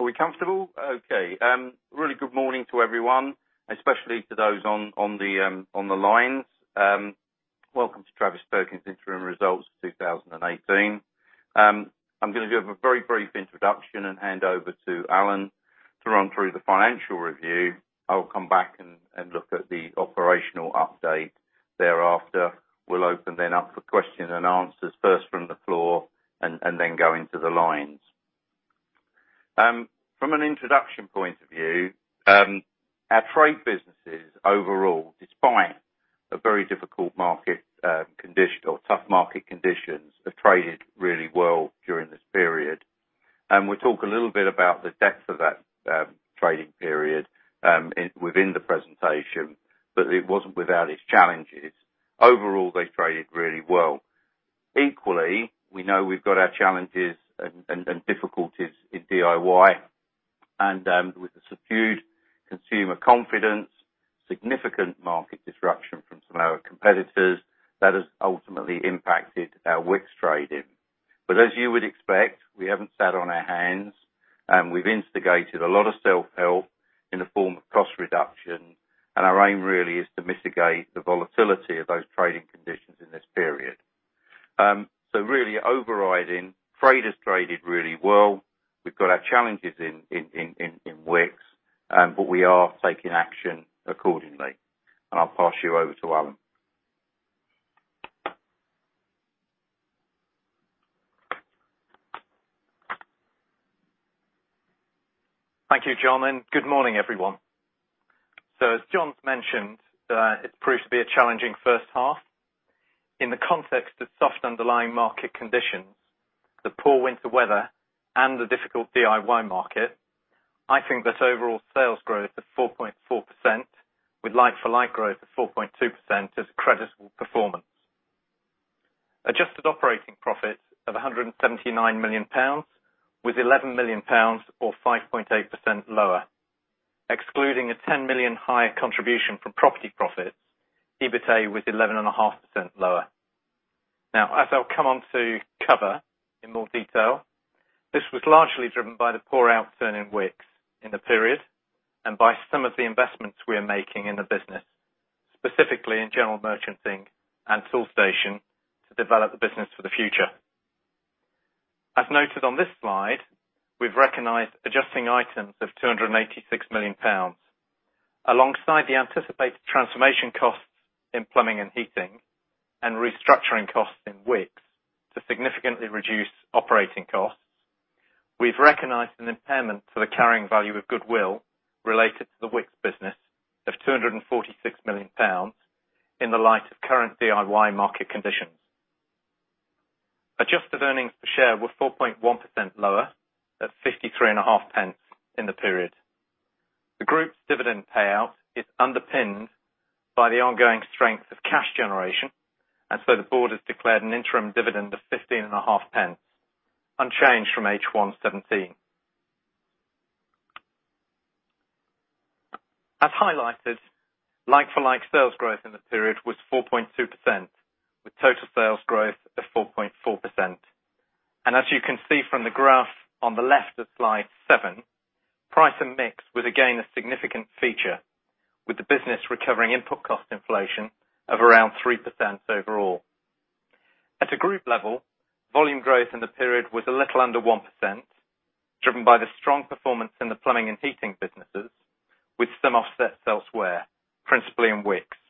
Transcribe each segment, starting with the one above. Are we comfortable? Okay. Really good morning to everyone, especially to those on the lines. Welcome to Travis Perkins interim results 2018. I'm going to give a very brief introduction and hand over to Alan to run through the financial review. I will come back and look at the operational update thereafter. We'll open up for questions and answers, first from the floor and then go into the lines. From an introduction point of view, our trade businesses overall, despite a very difficult market condition or tough market conditions, have traded really well during this period. We'll talk a little bit about the depth of that trading period within the presentation, but it wasn't without its challenges. Overall, they traded really well. Equally, we know we've got our challenges and difficulties in DIY and with the subdued consumer confidence, significant market disruption from some of our competitors, that has ultimately impacted our Wickes trading. As you would expect, we haven't sat on our hands. We've instigated a lot of self-help in the form of cost reduction, our aim really is to mitigate the volatility of those trading conditions in this period. Really overriding, trade has traded really well. We've got our challenges in Wickes, but we are taking action accordingly. I'll pass you over to Alan. Thank you, John, and good morning, everyone. As John's mentioned, it's proved to be a challenging first half. In the context of soft underlying market conditions, the poor winter weather, and the difficult DIY market, I think this overall sales growth of 4.4% with like-for-like growth of 4.2% is a creditable performance. Adjusted operating profit of 179 million pounds, was 11 million pounds or 5.8% lower. Excluding a 10 million higher contribution from property profits, EBITA was 11.5% lower. As I'll come on to cover in more detail, this was largely driven by the poor outturn in Wickes in the period, and by some of the investments we are making in the business, specifically in general merchanting and Toolstation to develop the business for the future. As noted on this slide, we've recognized adjusting items of 286 million pounds. Alongside the anticipated transformation costs in plumbing and heating and restructuring costs in Wickes to significantly reduce operating costs, we've recognized an impairment to the carrying value of goodwill related to the Wickes business of 246 million pounds in the light of current DIY market conditions. Adjusted earnings per share were 4.1% lower at 0.535 in the period. The group's dividend payout is underpinned by the ongoing strength of cash generation, the board has declared an interim dividend of 0.155, unchanged from H1 2017. As highlighted, like-for-like sales growth in the period was 4.2%, with total sales growth of 4.4%. As you can see from the graph on the left of slide seven, price and mix was again a significant feature with the business recovering input cost inflation of around 3% overall. At a group level, volume growth in the period was a little under 1%, driven by the strong performance in the Plumbing & Heating businesses, with some offsets elsewhere, principally in Wickes.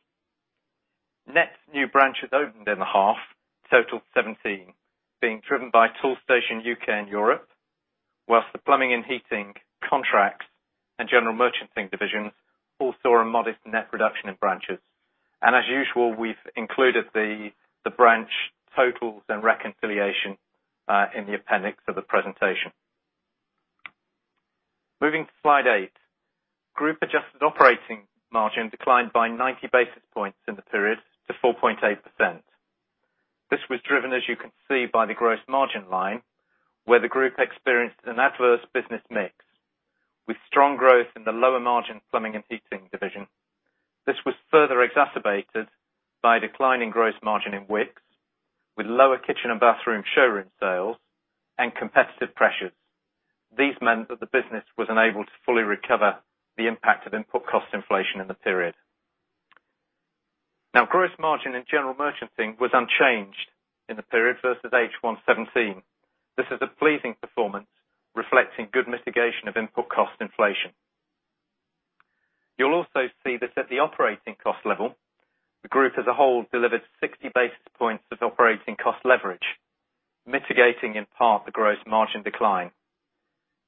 Net new branches opened in the half totaled 17, being driven by Toolstation UK and Europe, whilst the Plumbing & Heating contracts and General Merchanting divisions all saw a modest net reduction in branches. As usual, we've included the branch totals and reconciliation in the appendix of the presentation. Moving to slide eight. Group-adjusted operating margin declined by 90 basis points in the period to 4.8%. This was driven, as you can see, by the gross margin line, where the group experienced an adverse business mix with strong growth in the lower margin Plumbing & Heating division. This was further exacerbated by a decline in gross margin in Wickes, with lower kitchen and bathroom showroom sales and competitive pressures. These meant that the business was unable to fully recover the impact of input cost inflation in the period. Gross margin in General Merchanting was unchanged in the period versus H1 17. This is a pleasing performance reflecting good mitigation of input cost inflation. You'll also see this at the operating cost level. The group as a whole delivered 60 basis points of operating cost leverage, mitigating in part the gross margin decline.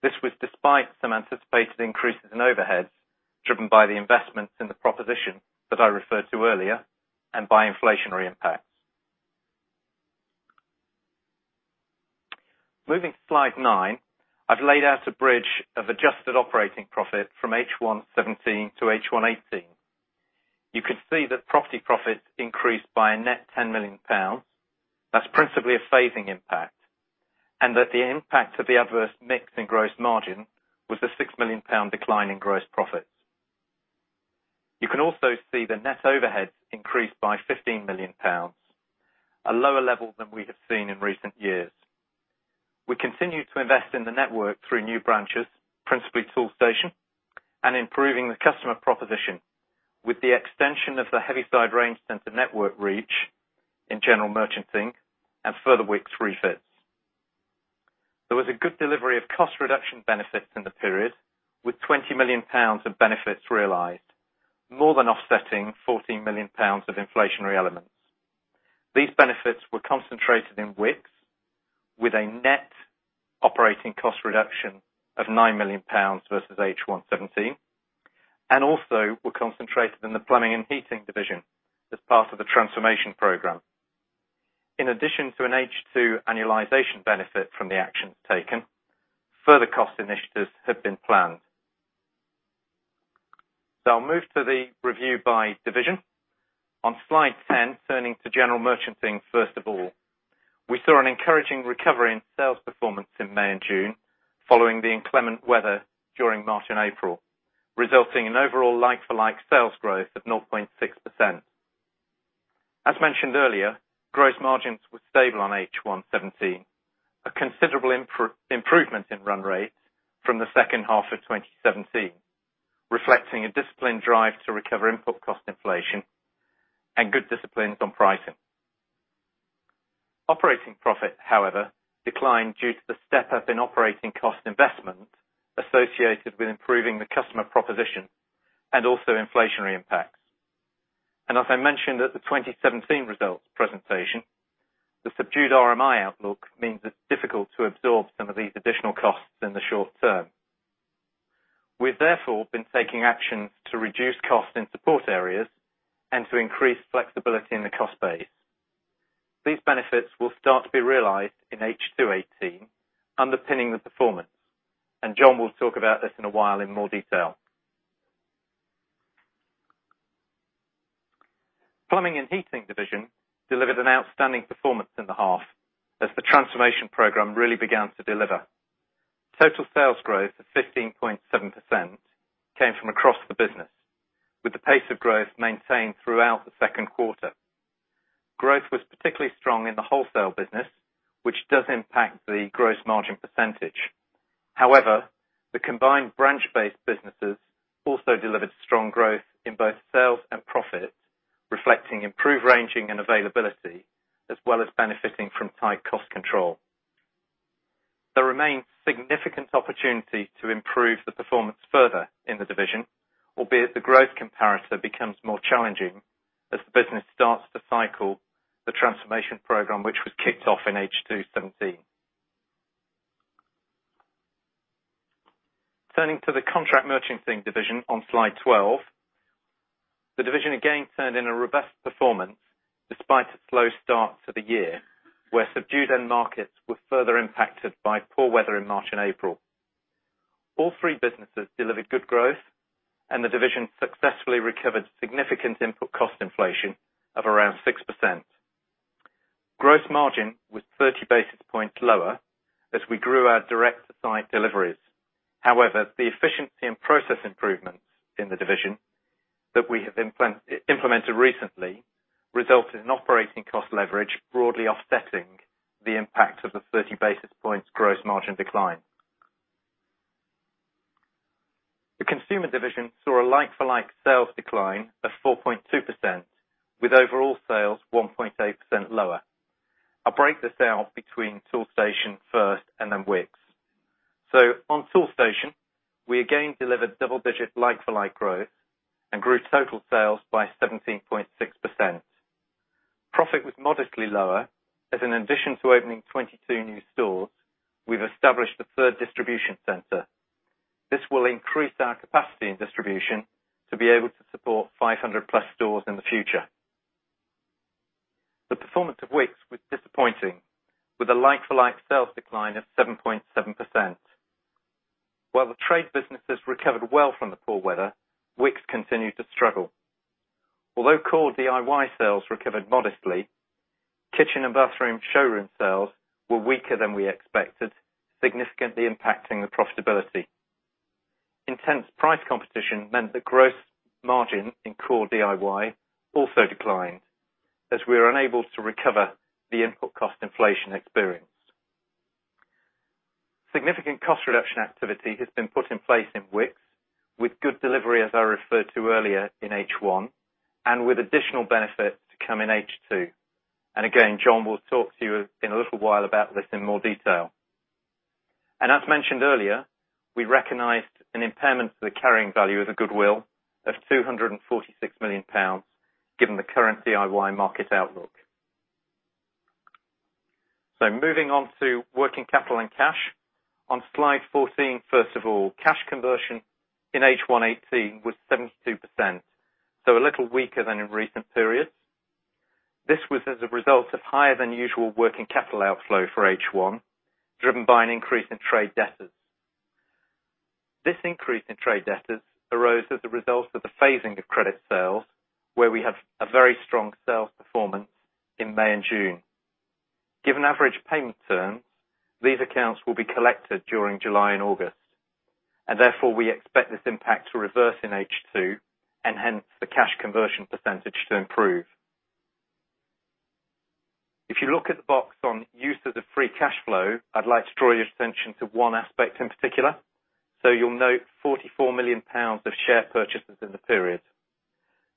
This was despite some anticipated increases in overheads driven by the investments in the proposition that I referred to earlier and by inflationary impacts. Moving to slide nine, I've laid out a bridge of adjusted operating profit from H1 17 to H1 18. You can see that property profits increased by a net 10 million pounds. That's principally a phasing impact, and that the impact of the adverse mix in gross margin was a 6 million pound decline in gross profit. You can also see the net overheads increased by 15 million pounds, a lower level than we have seen in recent years. We continued to invest in the network through new branches, principally Toolstation, and improving the customer proposition with the extension of the Heavyside Range center network reach in General Merchanting and further Wickes refits. There was a good delivery of cost reduction benefits in the period, with 20 million pounds of benefits realized, more than offsetting 14 million pounds of inflationary elements. These benefits were concentrated in Wickes, with a net operating cost reduction of 9 million pounds versus H1 17, and also were concentrated in the Plumbing & Heating division as part of the transformation program. In addition to an H2 annualization benefit from the actions taken, further cost initiatives have been planned. I'll move to the review by division. On slide 10, turning to General Merchanting first of all. We saw an encouraging recovery in sales performance in May and June, following the inclement weather during March and April, resulting in overall like-for-like sales growth of 0.6%. As mentioned earlier, gross margins were stable on H1 2017, a considerable improvement in run rates from the second half of 2017, reflecting a disciplined drive to recover input cost inflation and good disciplines on pricing. Operating profit, however, declined due to the step-up in operating cost investment associated with improving the customer proposition and also inflationary impacts. As I mentioned at the 2017 results presentation, the subdued RMI outlook means it is difficult to absorb some of these additional costs in the short term. We have therefore been taking actions to reduce costs in support areas and to increase flexibility in the cost base. These benefits will start to be realized in H2 2018, underpinning the performance, and John will talk about this in a while in more detail. Plumbing & Heating Division delivered an outstanding performance in the half as the transformation program really began to deliver. Total sales growth of 15.7% came from across the business, with the pace of growth maintained throughout the second quarter. Growth was particularly strong in the wholesale business, which does impact the gross margin %. However, the combined branch-based businesses also delivered strong growth in both sales and profit, reflecting improved ranging and availability, as well as benefiting from tight cost control. There remains significant opportunity to improve the performance further in the division, albeit the growth comparator becomes more challenging as the business starts to cycle the transformation program which was kicked off in H2 2017. Turning to the Contract Merchanting Division on slide 12. The division again turned in a robust performance despite a slow start to the year, where subdued end markets were further impacted by poor weather in March and April. All three businesses delivered good growth, the division successfully recovered significant input cost inflation of around 6%. Gross margin was 30 basis points lower as we grew our direct-to-site deliveries. However, the efficiency and process improvements in the division that we have implemented recently resulted in operating cost leverage broadly offsetting the impact of the 30 basis points gross margin decline. The consumer division saw a like-for-like sales decline of 4.2%, with overall sales 1.8% lower. I will break the sales between Toolstation first and then Wickes. On Toolstation, we again delivered double-digit like-for-like growth and grew total sales by 17.6%. Profit was modestly lower, as in addition to opening 22 new stores, we have established a third distribution center. This will increase our capacity in distribution to be able to support 500-plus stores in the future. The performance of Wickes was disappointing, with a like-for-like sales decline of 7.7%. While the trade businesses recovered well from the poor weather, Wickes continued to struggle. Although core DIY sales recovered modestly, kitchen and bathroom showroom sales were weaker than we expected, significantly impacting the profitability. Intense price competition meant that gross margin in core DIY also declined, as we were unable to recover the input cost inflation experienced. Significant cost reduction activity has been put in place in Wickes, with good delivery, as I referred to earlier in H1, and with additional benefits to come in H2. Again, John will talk to you in a little while about this in more detail. As mentioned earlier, we recognized an impairment to the carrying value of the goodwill of 246 million pounds, given the current DIY market outlook. Moving on to working capital and cash. On slide 14, first of all, cash conversion in H1 2018 was 72%, a little weaker than in recent periods. This was as a result of higher-than-usual working capital outflow for H1, driven by an increase in trade debtors. This increase in trade debtors arose as a result of the phasing of credit sales, where we have a very strong sales performance in May and June. Given average payment terms, these accounts will be collected during July and August, and therefore, we expect this impact to reverse in H2 and hence the cash conversion percentage to improve. If you look at the box on use of the free cash flow, I'd like to draw your attention to one aspect in particular. You'll note 44 million pounds of share purchases in the period.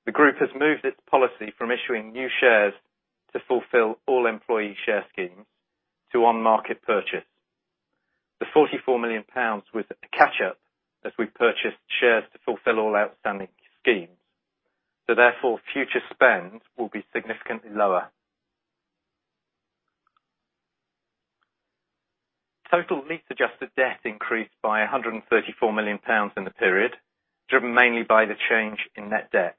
The group has moved its policy from issuing new shares to fulfill all employee share schemes to on-market purchase. The 44 million pounds was a catch-up as we purchased shares to fulfill all outstanding schemes. Therefore, future spends will be significantly lower. Total lease adjusted debt increased by 134 million pounds in the period, driven mainly by the change in net debt.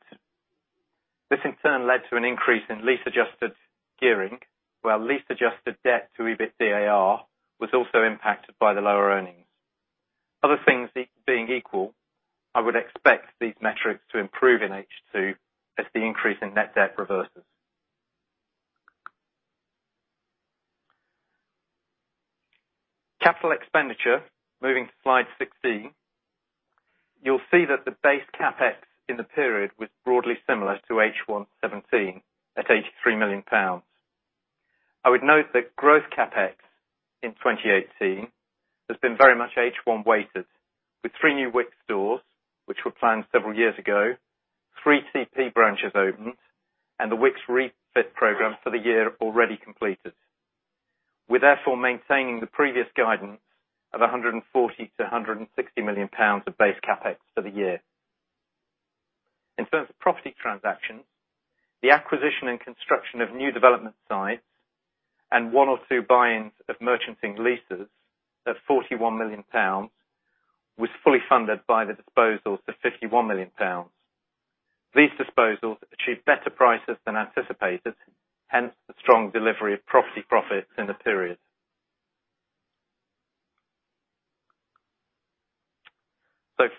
This in turn led to an increase in lease adjusted gearing, where our lease adjusted debt to EBITDA was also impacted by the lower earnings. Other things being equal, I would expect these metrics to improve in H2 as the increase in net debt reverses. Capital expenditure, moving to slide 16. You'll see that the base CapEx in the period was broadly similar to H1 2017 at GBP 83 million. I would note that growth CapEx in 2018 has been very much H1 weighted, with three new Wickes stores, which were planned several years ago, three TP branches opened, and the Wickes refit program for the year already completed. We're therefore maintaining the previous guidance of 140 million-160 million pounds of base CapEx for the year. In terms of property transactions, the acquisition and construction of new development sites and one or two buy-ins of merchanting leases of 41 million pounds was fully funded by the disposals of 51 million pounds. These disposals achieved better prices than anticipated, hence the strong delivery of property profits in the period.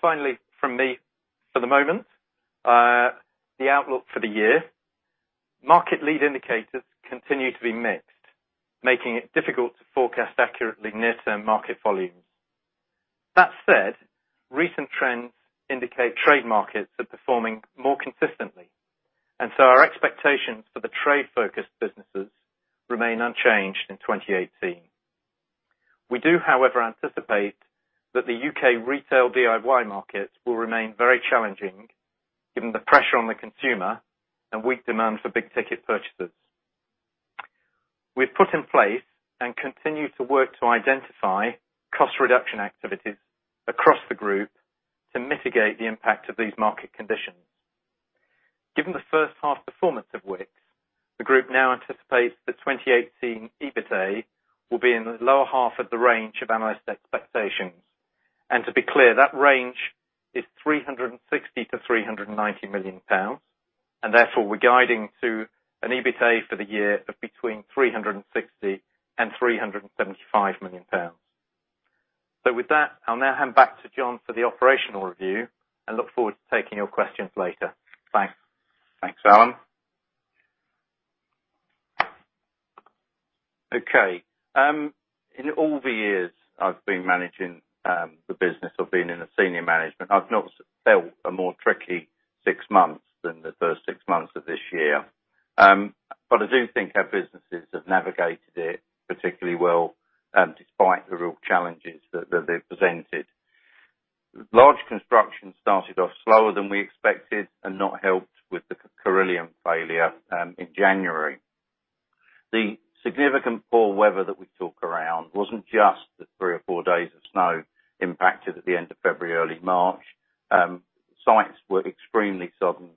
Finally, from me for the moment, the outlook for the year. Market lead indicators continue to be mixed, making it difficult to forecast accurately near-term market volumes. That said, recent trends indicate trade markets are performing more consistently. Our expectations for the trade-focused businesses remain unchanged in 2018. We do, however, anticipate that the U.K. retail DIY market will remain very challenging given the pressure on the consumer and weak demand for big-ticket purchases. We've put in place and continue to work to identify cost reduction activities across the group to mitigate the impact of these market conditions. Given the first half performance of Wickes, the group now anticipates that 2018 EBITA will be in the lower half of the range of analyst expectations. To be clear, that range is 360 million-390 million pounds, and therefore we're guiding to an EBITA for the year of between 360 million and 375 million pounds. With that, I'll now hand back to John for the operational review and look forward to taking your questions later. Thanks. Thanks, Alan. Okay. In all the years I've been managing the business or been in the senior management, I've not felt a more tricky six months than the first six months of this year. I do think our businesses have navigated it particularly well, despite the real challenges that they've presented. Large construction started off slower than we expected and not helped with the Carillion failure in January. The significant poor weather that we talk around wasn't just the three or four days of snow impacted at the end of February, early March. Sites were extremely sodden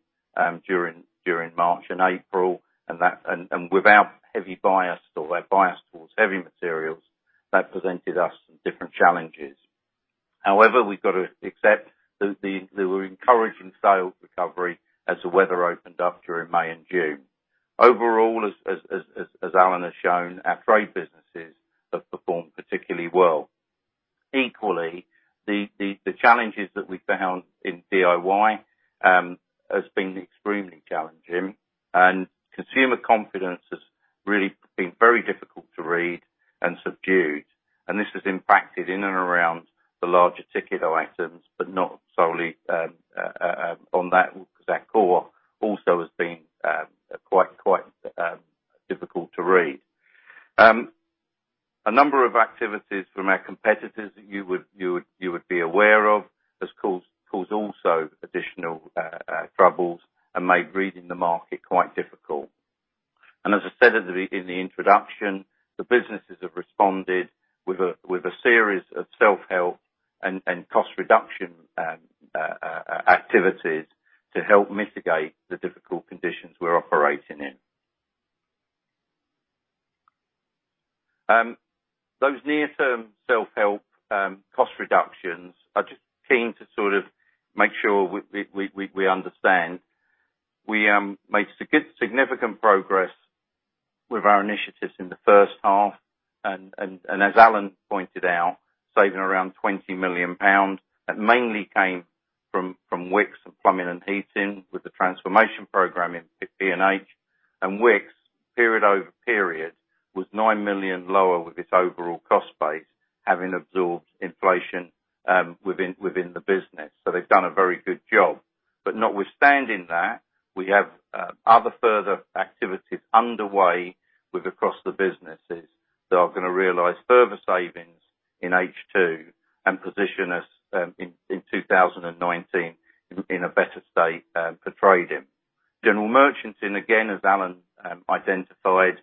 during March and April, and with our heavy bias towards heavy materials, that presented us some different challenges. We've got to accept there were encouraging sales recovery as the weather opened up during May and June. Overall, as Alan has shown, our trade businesses have performed particularly well. The challenges that we found in DIY has been extremely challenging, and consumer confidence has really been very difficult to read and subdued. This has impacted in and around the larger ticket items, but not solely on that, because our core also has been quite difficult to read. A number of activities from our competitors that you would be aware of has caused also additional troubles and made reading the market quite difficult. As I said in the introduction, the businesses have responded with a series of self-help and cost reduction activities to help mitigate the difficult conditions we're operating in. Those near-term self-help cost reductions, I just keen to sort of make sure we understand. We made significant progress with our initiatives in the first half. As Alan pointed out, saving around 20 million pounds, that mainly came from Wickes and plumbing and heating with the transformation program in P&H. Wickes, period over period, was 9 million lower with its overall cost base, having absorbed inflation within the business. They've done a very good job. Notwithstanding that, we have other further activities underway with across the businesses that are going to realize further savings in H2 and position us in 2019 in a better state for trading. General Merchanting, again, as Alan identified,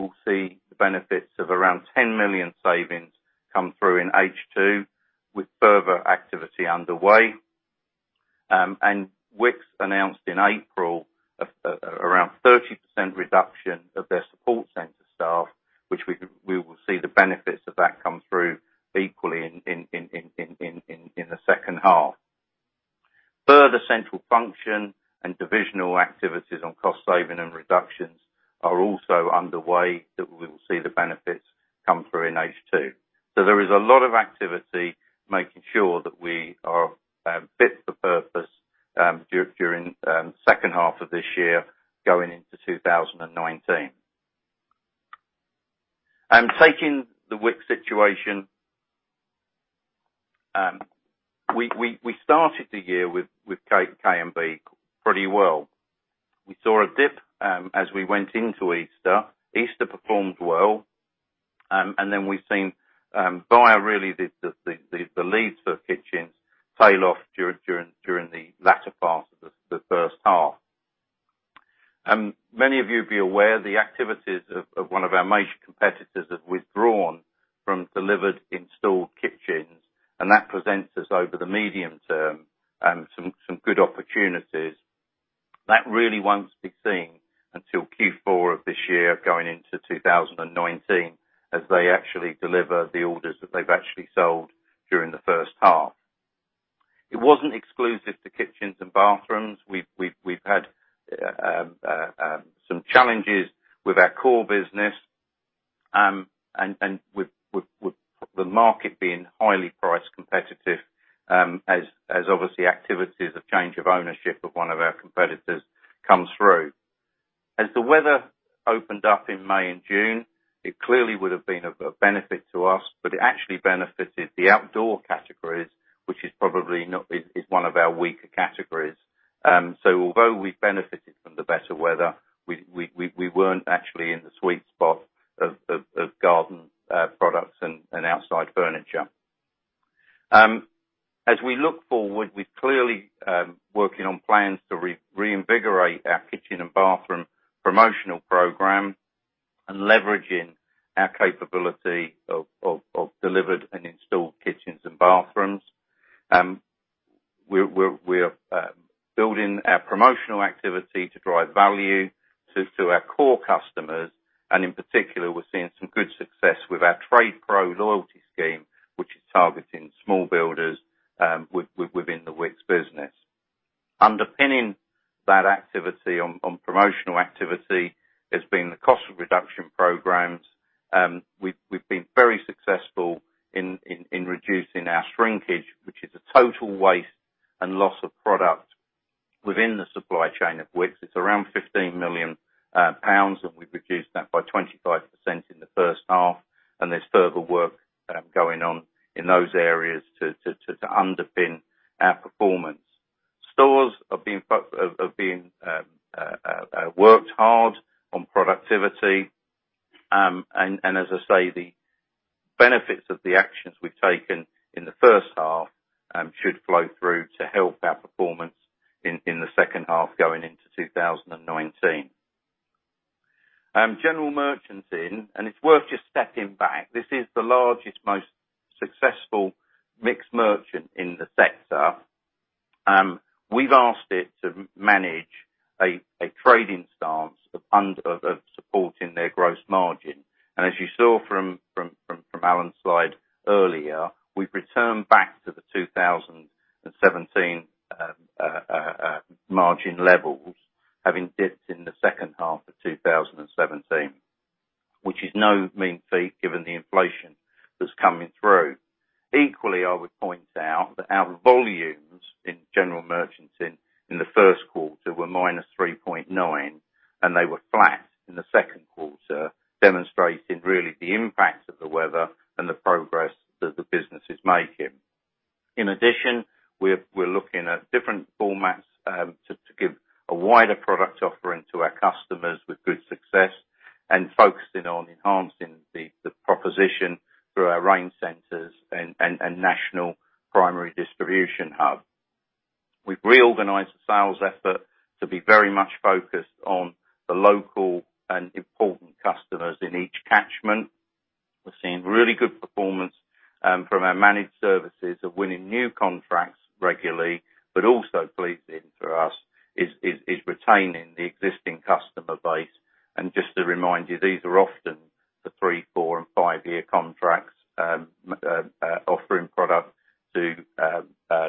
will see the benefits of around 10 million savings come through in H2 with further activity underway. Wickes announced in April, around 30% reduction of their support center staff, which we will see the benefits of that come through equally in the second half. Further central function and divisional activities on cost saving and reductions are also underway that we will see the benefits come through in H2. There is a lot of activity making sure that we are fit for purpose during second half of this year, going into 2019. Taking the Wickes situation, we started the year with K&B pretty well. We saw a dip as we went into Easter. Easter performed well. Then we've seen via really the leads for kitchens tail off during the latter part of the first half. Many of you will be aware the activities of one of our major competitors have withdrawn from delivered installed kitchens, and that presents us over the medium term, some good opportunities. That really won't be seen until Q4 of this year going into 2019, as they actually deliver the orders that they've actually sold during the first half. It wasn't exclusive to kitchens and bathrooms. We've had some challenges with our core business. With the market being highly price competitive, as obviously activities of change of ownership of one of our competitors come through. As the weather opened up in May and June, it clearly would have been of benefit to us, but it actually benefited the outdoor categories, which is one of our weaker categories. Although we benefited from the better weather, we weren't actually in the sweet spot of garden products and outside furniture. As we look forward, we're clearly working on plans to reinvigorate our kitchen and bathroom promotional program and leveraging our capability of delivered and installed kitchens and bathrooms. We're building our promotional activity to drive value to our core customers. In particular, we're seeing some good success with our Trade Pro loyalty scheme, which is targeting small builders within the Wickes business. Underpinning that activity on promotional activity has been the cost reduction programs. We've been very successful in reducing our shrinkage, which is the total waste and loss of product within the supply chain of Wickes. It's around 15 million pounds. We've reduced that by 25% in the first half. There's further work going on in those areas to underpin our performance. Stores have been worked hard on productivity. As I say, the benefits of the actions we've taken in the first half should flow through to help our performance in the second half, going into 2019. General Merchanting. It's worth just stepping back. This is the largest, most successful mixed merchant in the sector. We've asked it to manage a trading stance of supporting their gross margin. As you saw from Alan's slide earlier, we've returned back to the 2017 margin levels, having dipped in the second half of 2017, which is no mean feat given the inflation that's coming through. Equally, I would point out that our volumes in General Merchanting in the first quarter were -3.9%, they were flat in the second quarter, demonstrating really the impact of the weather and the progress that the business is making. In addition, we're looking at different formats to give a wider product offering to our customers with good success, focusing on enhancing the proposition through our range centers and national primary distribution hub. We've reorganized the sales effort to be very much focused on the local and important customers in each catchment. We're seeing really good performance from our managed services of winning new contracts regularly. Also pleasing for us is retaining the existing customer base, and just to remind you, these are often the three, four, and five-year contracts offering product to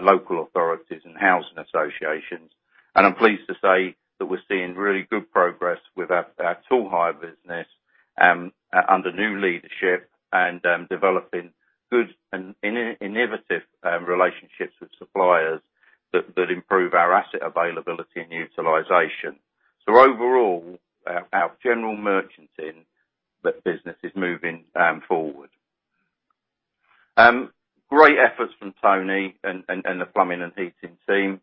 local authorities and housing associations. I'm pleased to say that we're seeing really good progress with our tool hire business under new leadership and developing good and innovative relationships with suppliers that improve our asset availability and utilization. Overall, our general merchanting, that business is moving forward. Great efforts from Tony and the plumbing and heating team.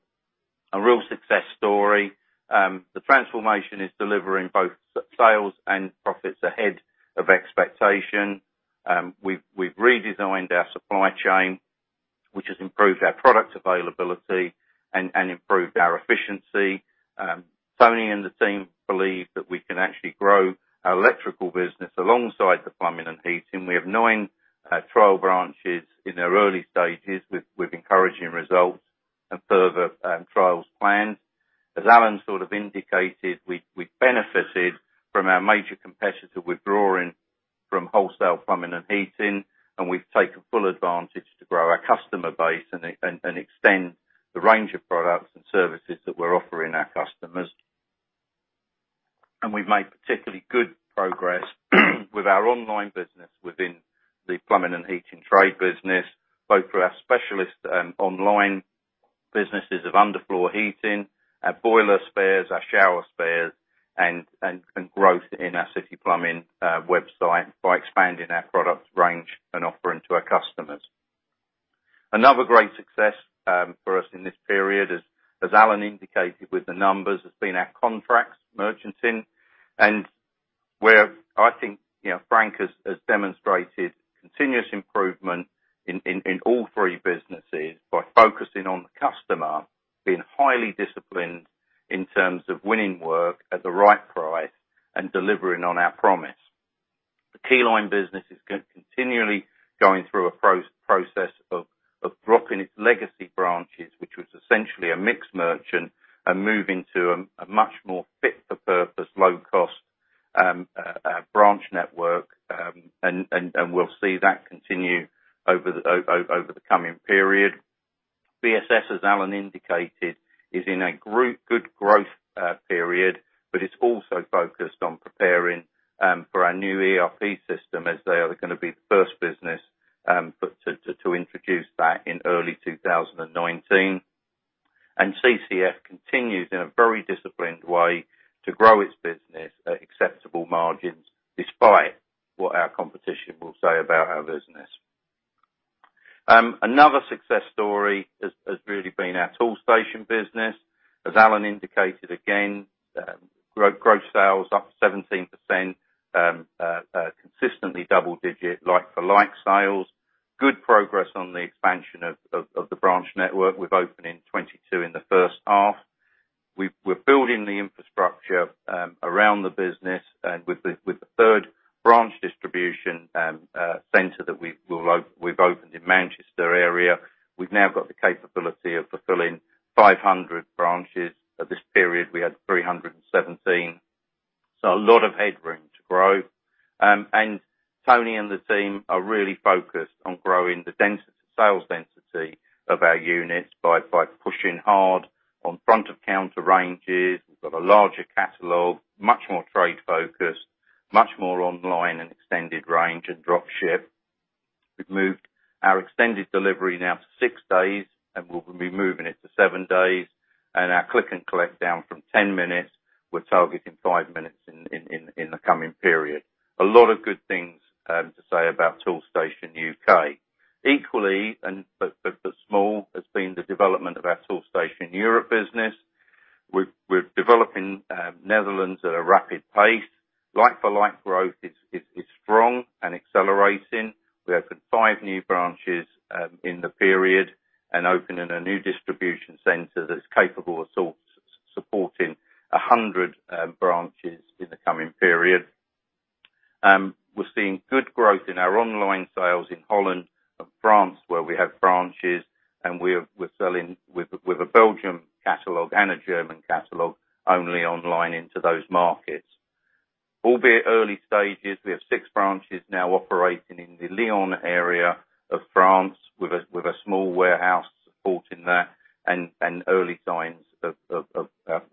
A real success story. The transformation is delivering both sales and profits ahead of expectation. We've redesigned our supply chain, which has improved our product availability and improved our efficiency. Tony and the team believe that we can actually grow our electrical business alongside the plumbing and heating. We have 9 trial branches in their early stages with encouraging results and further trials planned. As Alan sort of indicated, we benefited from our major competitor withdrawing from wholesale plumbing and heating, and we've taken full advantage to grow our customer base and extend the range of products and services that we're offering our customers. We've made particularly good progress with our online business within the plumbing and heating trade business, both through our specialist online businesses of Underfloor Heating, our boiler spares, our shower spares, and growth in our City Plumbing website by expanding our product range and offering to our customers. Another great success for us in this period is, as Alan indicated with the numbers, has been our contracts merchanting, where I think Frank has demonstrated continuous improvement in all 3 businesses by focusing on the customer, being highly disciplined in terms of winning work at the right price and delivering on our promise. The Keyline business is continually going through a process of dropping its legacy branches, which was essentially a mixed merchant, and moving to a much more fit for purpose, low cost branch network, and we'll see that continue over the coming period. BSS, as Alan indicated, is in a good growth period, but it's also focused on preparing for our new ERP system as they are going to be the first business to introduce that in early 2019. CCF continues in a very disciplined way to grow its business at acceptable margins despite what our competition will say about our business. Another success story has really been our Toolstation business. As Alan indicated, again, growth sales up 17%, consistently double digit like-for-like sales. Good progress on the expansion of the branch network, with opening 22 in the first half. We're building the infrastructure around the business and with the third branch distribution center that we've opened in Manchester area. We've now got the capability of fulfilling 500 branches. At this period, we had 317, so a lot of headroom to grow. Tony and the team are really focused on growing the sales density of our units by pushing hard on front of counter ranges. We've got a larger catalog, much more trade focus, much more online and extended range and drop ship. We've moved our extended delivery now to 6 days, and we'll be moving it to 7 days, and our click and collect down from 10 minutes, we're targeting 5 minutes in the coming period. A lot of good things to say about Toolstation U.K. Equally, but small, has been the development of our Toolstation Europe business. We're developing Netherlands at a rapid pace. Like-for-like growth is strong and accelerating. We opened 5 new branches in the period and opening a new distribution center that's capable of supporting 100 branches in the coming period. We're seeing good growth in our online sales in Holland and France, where we have branches, and we're selling with a Belgium catalog and a German catalog only online into those markets. Albeit early stages, we have six branches now operating in the Lyon area of France with a small warehouse supporting that, early signs of the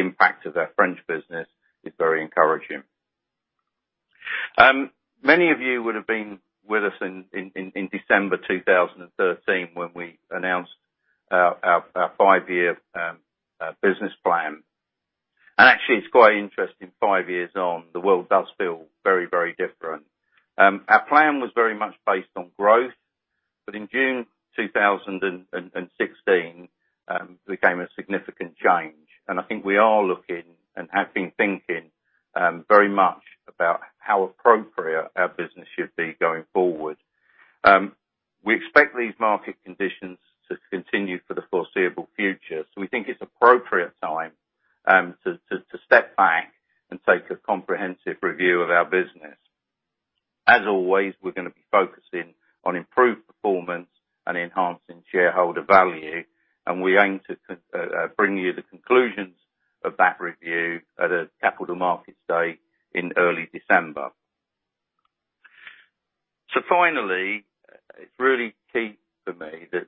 impact of our French business is very encouraging. Many of you would have been with us in December 2013 when we announced our five-year business plan. Actually, it's quite interesting, five years on, the world does feel very different. Our plan was very much based on growth. In June 2016, we came a significant change, I think we are looking and have been thinking very much about how appropriate our business should be going forward. We expect these market conditions to continue for the foreseeable future, we think it's appropriate time to step back and take a comprehensive review of our business. As always, we're going to be focusing on improved performance and enhancing shareholder value, we aim to bring you the conclusions of that review at a capital markets day in early December. Finally, it's really key for me that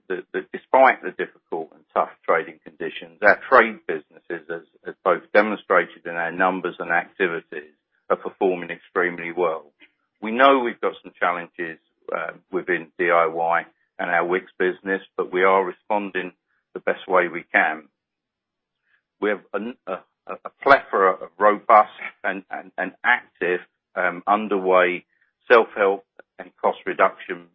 despite the difficult and tough trading conditions, our trade businesses, as both demonstrated in our numbers and activities, are performing extremely well. We know we've got some challenges within DIY and our Wickes business, we are responding the best way we can. We have a plethora of robust and active underway self-help and cost reduction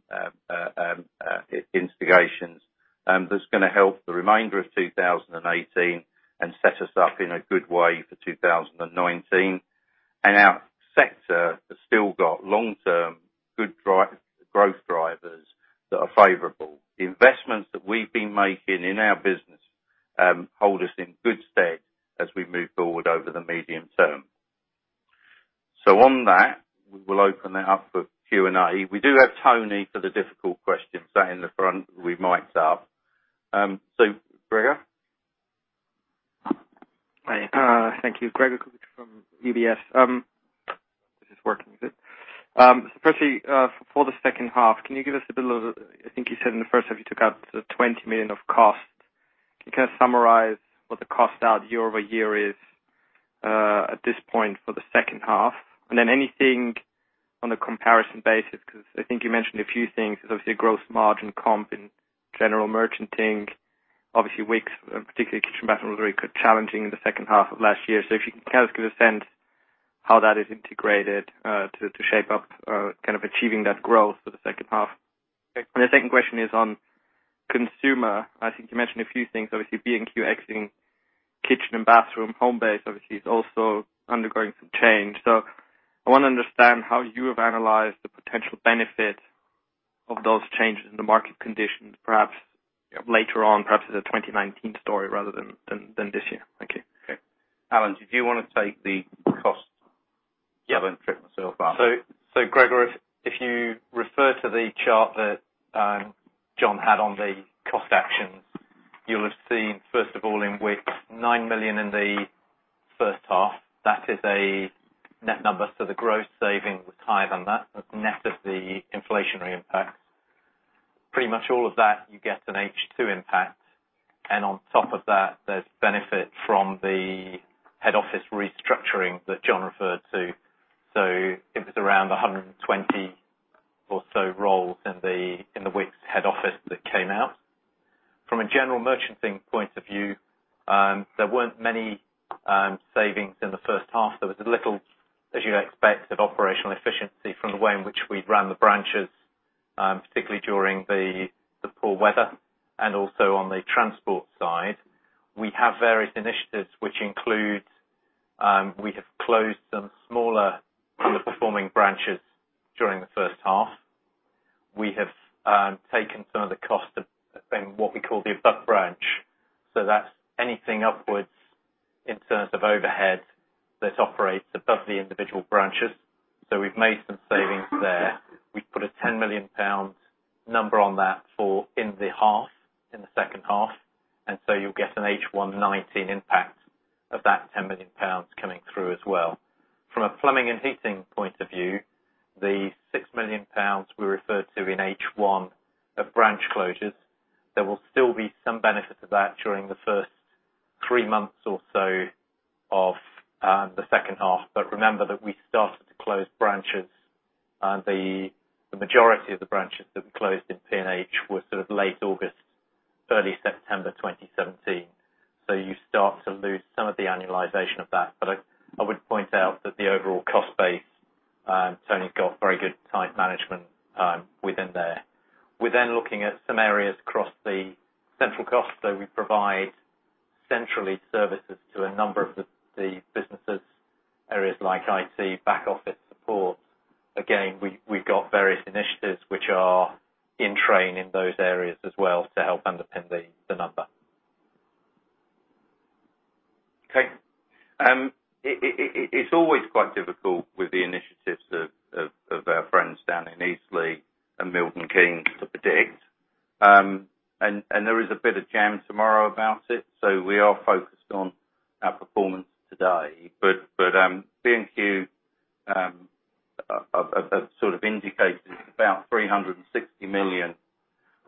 instigations that's going to help the remainder of 2018 and set us up in a good way for 2019. Our sector has still got long-term, good growth drivers that are favorable. The investments that we've been making in our business hold us in good stead as we move forward over the medium term. On that, we will open it up for Q&A. We do have Tony for the difficult questions, sat in the front with mics up. Gregor? Hi. Thank you. Gregor Kuglitsch from UBS. Is this working, is it? Firstly, for the second half, can you give us a bit of I think you said in the first half you took out sort of 20 million of cost. Can you kind of summarize what the cost out year-over-year is at this point for the second half? Then anything on a comparison basis, because I think you mentioned a few things. There's obviously a gross margin comp in general merchanting. Obviously, Wickes, particularly kitchen bathroom, was very challenging in the second half of last year. If you can you just give a sense how that is integrated to shape up achieving that growth for the second half? Okay. The second question is on consumer. I think you mentioned a few things. Obviously, B&Q exiting kitchen and bathroom. Homebase, obviously, is also undergoing some change. I want to understand how you have analyzed the potential benefit of those changes in the market conditions, perhaps later on, perhaps as a 2019 story rather than this year. Thank you. Okay. Alan, did you want to take the cost? Yeah. I won't trip myself up. Gregor, if you refer to the chart that John had on the cost actions, you'll have seen, first of all, in Wickes, 9 million in the first half. That is a net number, the gross saving was higher than that, net of the inflationary impacts. Pretty much all of that, you get an H2 impact. On top of that, there's benefit from the head office restructuring that John referred to. It was around 120 or so roles in the Wickes head office that came out. From a general merchanting point of view, there weren't many savings in the first half. There was a little, as you'd expect, of operational efficiency from the way in which we'd ran the branches, particularly during the poor weather and also on the transport side. We have various initiatives which include, we have closed some smaller underperforming branches during the first half. We have taken some of the cost in what we call the above branch. That's anything upwards in terms of overhead that operates above the individual branches. We've made some savings there. We put a 10 million pound number on that in the half, in the second half. You'll get an H1 2019 impact of that 10 million pounds coming through as well. From a plumbing and heating point of view, the 6 million pounds we referred to in H1 of branch closures, there will still be some benefit of that during the first three months or so of the second half. Remember that we started to close branches, the majority of the branches that we closed in P&H were late August, early September 2017. You start to lose some of the annualization of that. I would point out that the overall cost base, Tony's got very good site management within there. We're looking at some areas across the central cost. We provide centrally services to a number of the businesses, areas like IT, back office support. Again, we've got various initiatives which are in train in those areas as well to help underpin the number. Okay. It's always quite difficult with the initiatives of our friends down in Eastleigh and Milton Keynes to predict. There is a bit of jam tomorrow about it, so we are focused on our performance today. B&Q have indicated about 360 million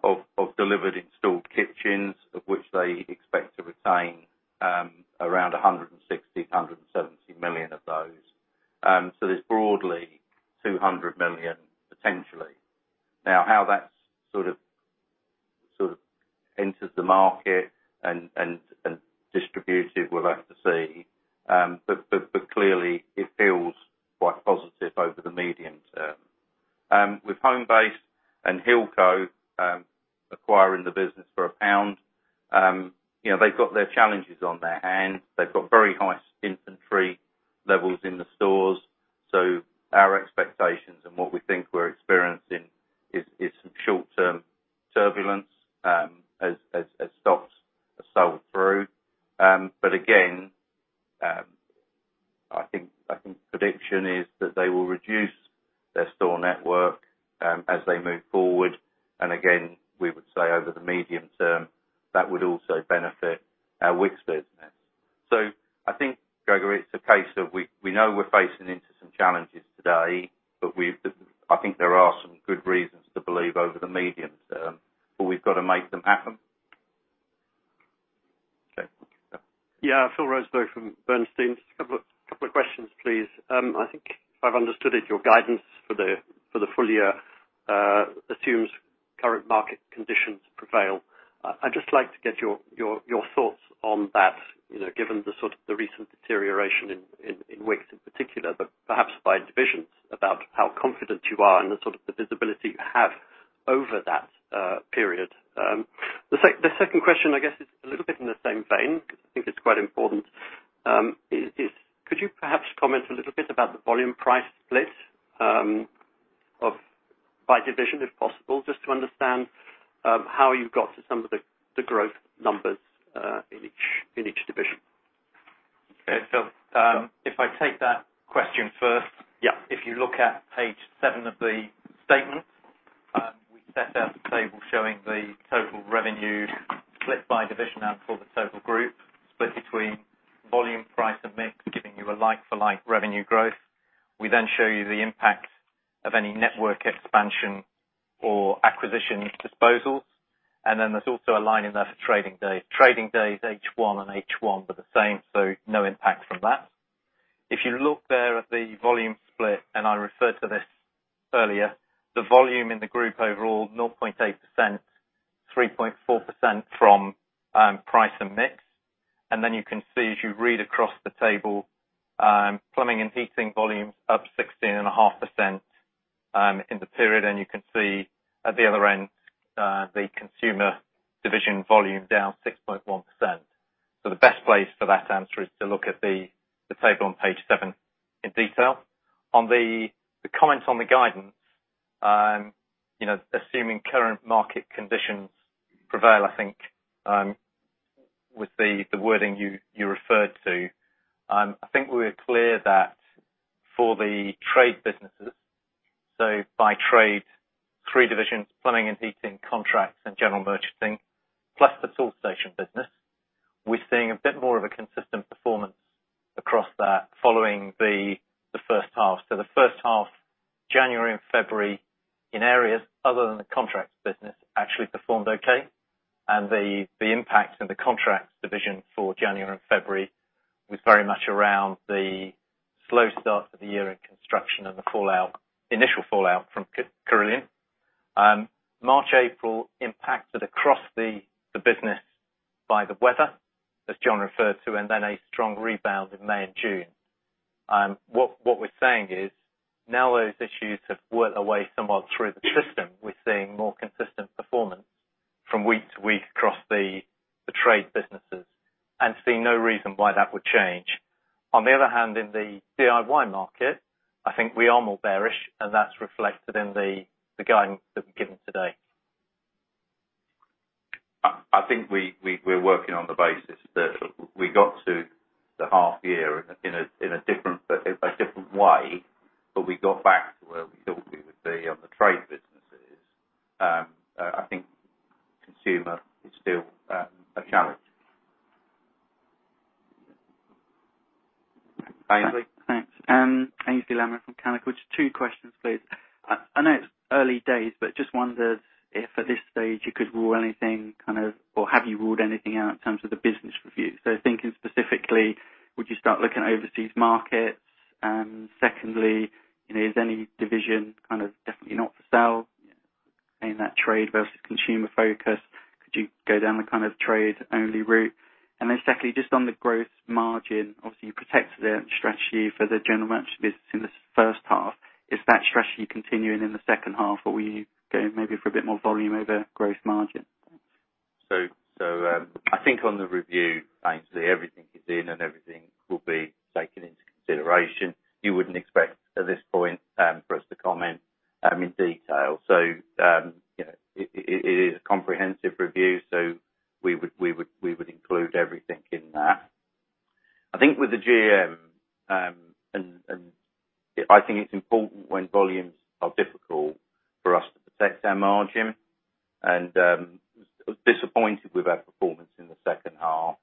of delivered installed kitchens, of which they expect to retain around 160 million, 170 million of those. There's broadly 200 million potentially. How that enters the market and distributed, we'll have to see. Clearly it feels quite positive over the medium term. With Homebase and Hilco acquiring the business for GBP 1, they've got their challenges on their hand. They've got very high inventory levels in the stores. Our expectations and what we think we're experiencing is some short-term turbulence as stocks are sold through. Again, I think prediction is that they will reduce their store network as they move forward. Again, we would say over the medium term, that would also benefit our Wickes business. I think, Gregor, it's a case of we know we're facing into some challenges today. I think there are some good reasons to believe over the medium term, but we've got to make them happen. Okay. Phil Rossiter from Bernstein. Just a couple of questions, please. I think if I've understood it, your guidance for the full year assumes current market conditions prevail. I'd just like to get your thoughts on that, given the recent deterioration in Wickes in particular, but perhaps by divisions about how confident you are and the sort of visibility you have over that period. The second question, I guess, is a little bit in the same vein, because I think it's quite important. Could you perhaps comment a little bit about the volume price split by division, if possible, just to understand how you've got to some of the growth numbers in each division? If I take that question first. Yeah. If you look at page seven of the statement, we set out a table showing the total revenue split by division and for the total group, split between volume, price, and mix, giving you a like-for-like revenue growth. We show you the impact of any network expansion or acquisition disposals. There's also a line in there for trading days. Trading days H1 and H1 were the same, no impact from that. If you look there at the volume split, and I referred to this earlier, the volume in the group overall, 0.8%, 3.4% from price and mix. You can see, as you read across the table, Plumbing and Heating volumes up 16.5% in the period. You can see at the other end, the consumer division volume down 6.1%. The best place for that answer is to look at the table on page seven in detail. On the comments on the guidance, assuming current market conditions prevail, I think, with the wording you referred to, I think we're clear that for the trade businesses, by trade, three divisions, Plumbing and Heating, Contracts, and General Merchanting, plus the Toolstation business. We're seeing a bit more of a consistent performance across that following the first half. The first half, January and February, in areas other than the Contracts business, actually performed okay. The impact in the Contracts division for January and February was very much around the slow start to the year in construction and the initial fallout from Carillion. March, April impacted across the business by the weather, as John referred to, a strong rebound in May and June. What we're saying is, now those issues have worked away somewhat through the system. We're seeing more consistent performance from week to week across the trade businesses and see no reason why that would change. On the other hand, in the DIY market, I think we are more bearish, and that's reflected in the guidance that we've given today. I think we're working on the basis that we got to the half year in a different way, but we got back to where we thought we would be on the trade businesses. I think consumer is still a challenge. Aynsley? Thanks. Aynsley Lammin from Canaccord. Two questions, please. I know it's early days, just wondered if at this stage you could rule anything kind of, or have you ruled anything out in terms of the business review? Thinking specifically, would you start looking at overseas markets? Secondly, is any division kind of definitely not for sale in that trade versus consumer focus? Could you go down the kind of trade only route? Secondly, just on the growth margin, obviously you protected the strategy for the general merchant business in the first half. Is that strategy continuing in the second half, or are you going maybe for a bit more volume over growth margin? Thanks. I think on the review, Aynsley, everything is in and everything will be taken into consideration. You wouldn't expect at this point for us to comment in detail. It is a comprehensive review, so we would include everything in that. I think with the GM, I think it's important when volumes are difficult for us to protect our margin. Disappointed with our performance in the second half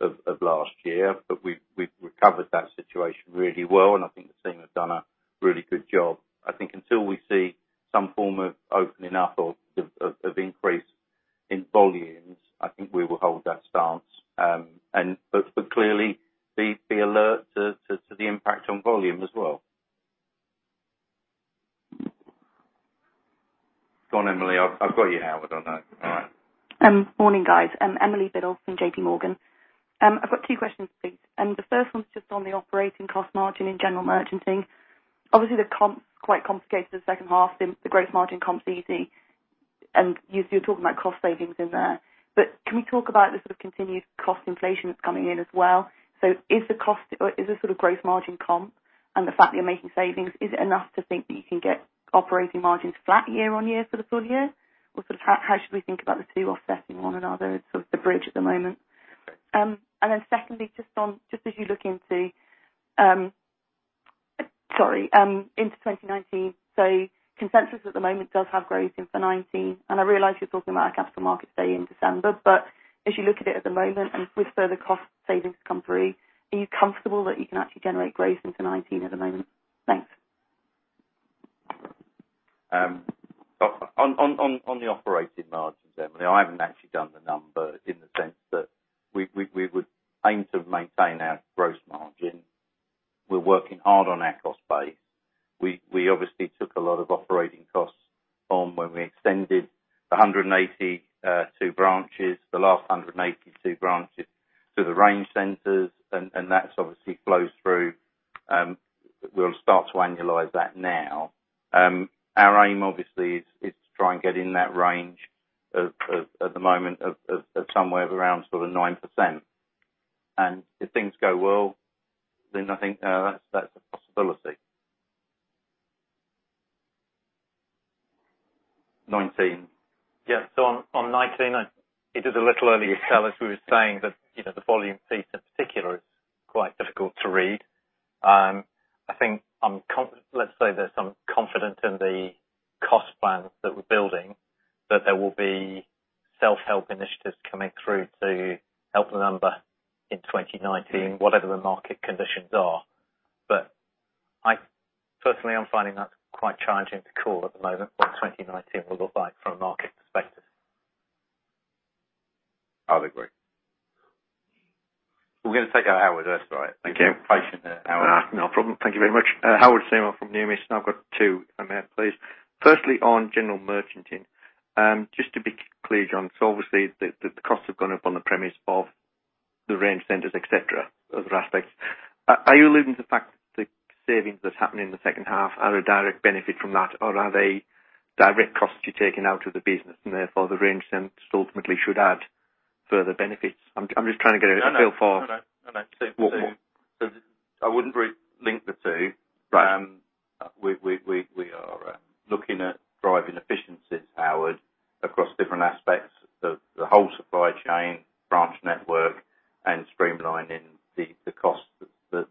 of last year, but we've recovered that situation really well, and I think the team have done a really good job. I think until we see some form of opening up of increase in volumes, I think we will hold that stance. Clearly be alert to the impact on volume as well. Go on, Emily, I've got you on mute. All right. Morning, guys. Emily Biddulph from Barclays. I've got two questions, please. The first one's just on the operating cost margin in general merchanting. Obviously, they're quite complicated for the second half, the growth margin comp's easy. You're talking about cost savings in there. Can we talk about the sort of continued cost inflation that's coming in as well? Is the sort of growth margin comp and the fact that you're making savings, is it enough to think that you can get operating margins flat year-over-year for the full year? How should we think about the two offsetting one another, sort of the bridge at the moment? Secondly, just as you look into Sorry, into 2019. Consensus at the moment does have growth in for 2019, and I realize you're talking about a Capital Market Day in December, but as you look at it at the moment, and with further cost savings come through, are you comfortable that you can actually generate growth into 2019 at the moment? Thanks. On the operating margins, Emily, I haven't actually done the number in the sense that we would aim to maintain our gross margin. We're working hard on our cost base. We obviously took a lot of operating costs on when we extended the last 182 branches to the range centers, and that obviously flows through. We'll start to annualize that now. Our aim, obviously, is to try and get in that range, at the moment, of somewhere around 9%. If things go well, then I think that's a possibility. 2019. Yes. On 2019, I did a little earlier tell, as we were saying that the volume piece in particular is quite difficult to read. Let's say that I'm confident in the cost plans that we're building, that there will be self-help initiatives coming through to help the number in 2019, whatever the market conditions are. Personally, I'm finding that quite challenging to call at the moment, what 2019 will look like from a market perspective. I'll agree. We're going to take Howard, that's all right. Thank you. Patient there, Howard. No problem. Thank you very much. Howard Seymour from Numis. I've got two, please. Firstly, on general merchanting. Just to be clear, John. Obviously, the costs have gone up on the premise of the range centers, et cetera, other aspects. Are you alluding to the fact that the savings that's happening in the second half are a direct benefit from that, or are they direct costs you're taking out of the business, and therefore, the range centers ultimately should add further benefits? I'm just trying to get a feel for- No. What we- I wouldn't link the two. Right. We are looking at driving efficiencies, Howard, across different aspects of the whole supply chain, branch network, and streamlining the costs that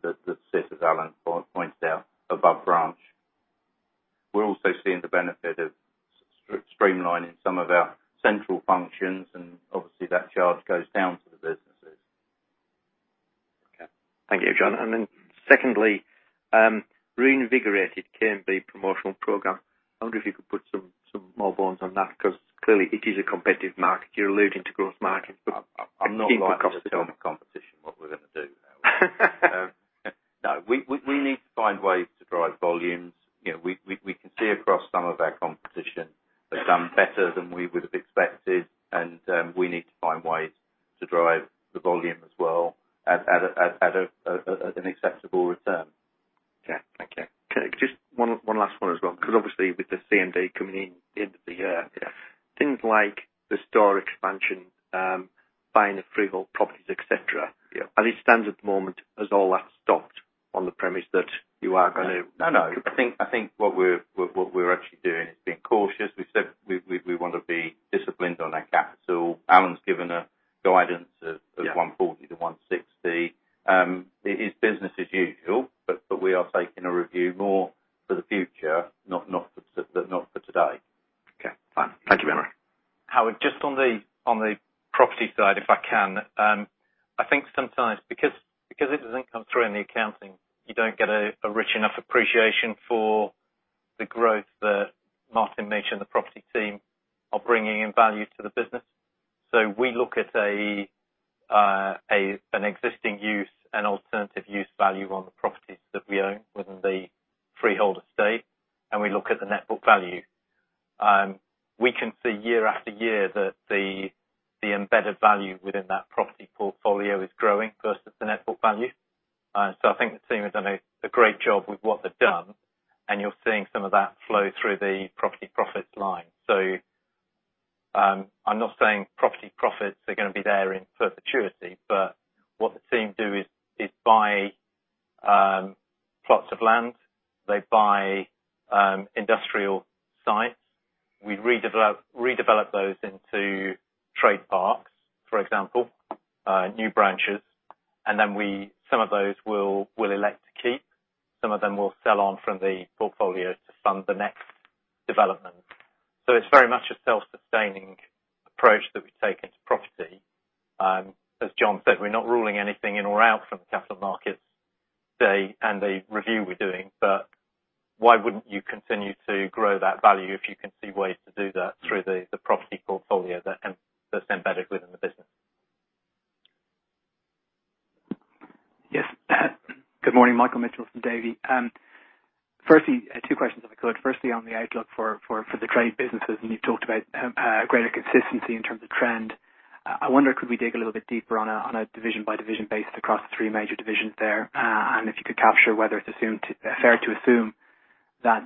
sit, as Alan pointed out, above branch. We're also seeing the benefit of streamlining some of our central functions, and obviously, that charge goes down to the businesses. Okay. Thank you, John. Secondly, reinvigorated K&B promotional program. I wonder if you could put some more bones on that, because clearly it is a competitive market. You're alluding to gross margin. I'm not liking- Keep the costs down the tone of competition, what we're going to do now. No. We need to find ways to drive volumes. We can see across some of our competition have done better than we would have expected. We need to find ways to drive the volume as well at an acceptable return. Okay. Thank you. Can I get just one last one as well, because obviously with the CMD coming in into the year. Yeah. Things like the store expansion, buying the freehold properties, et cetera. Yeah. As it stands at the moment, has all that stopped on the premise that you are going to- No. I think what we're actually doing is being cautious. We've said we want to be disciplined on our capital. Alan's given a guidance of 140-160. It is business as usual, but we are taking a review more for the future, not for today. Okay, fine. Thank you very much. Howard, just on the property side, if I can. I think sometimes because it doesn't come through in the accounting, you don't get a rich enough appreciation for the growth that Martin mentioned, the property team are bringing in value to the business. We look at an existing use, an alternative use value on the properties that we own within the freehold estate, and we look at the net book value. We can see year after year that the embedded value within that property portfolio is growing versus the net book value. I think the team has done a great job with what they've done, and you're seeing some of that flow through the property profits line. I'm not saying property profits are going to be there in perpetuity, but what the team do is buy plots of land. They buy industrial sites. We redevelop those into trade parks, for example, new branches. Some of those we'll elect to keep. Some of them we'll sell on from the portfolio to fund the next development. It's very much a self-sustaining approach that we take into property. As John said, we're not ruling anything in or out from the capital markets day and the review we're doing, why wouldn't you continue to grow that value if you can see ways to do that through the property portfolio that's embedded within the business? Yes. Good morning. Michael Mitchell from Davy. Firstly, two questions, if I could. Firstly, on the outlook for the trade businesses, you talked about greater consistency in terms of trend. I wonder, could we dig a little bit deeper on a division-by-division basis across the three major divisions there? If you could capture whether it's fair to assume that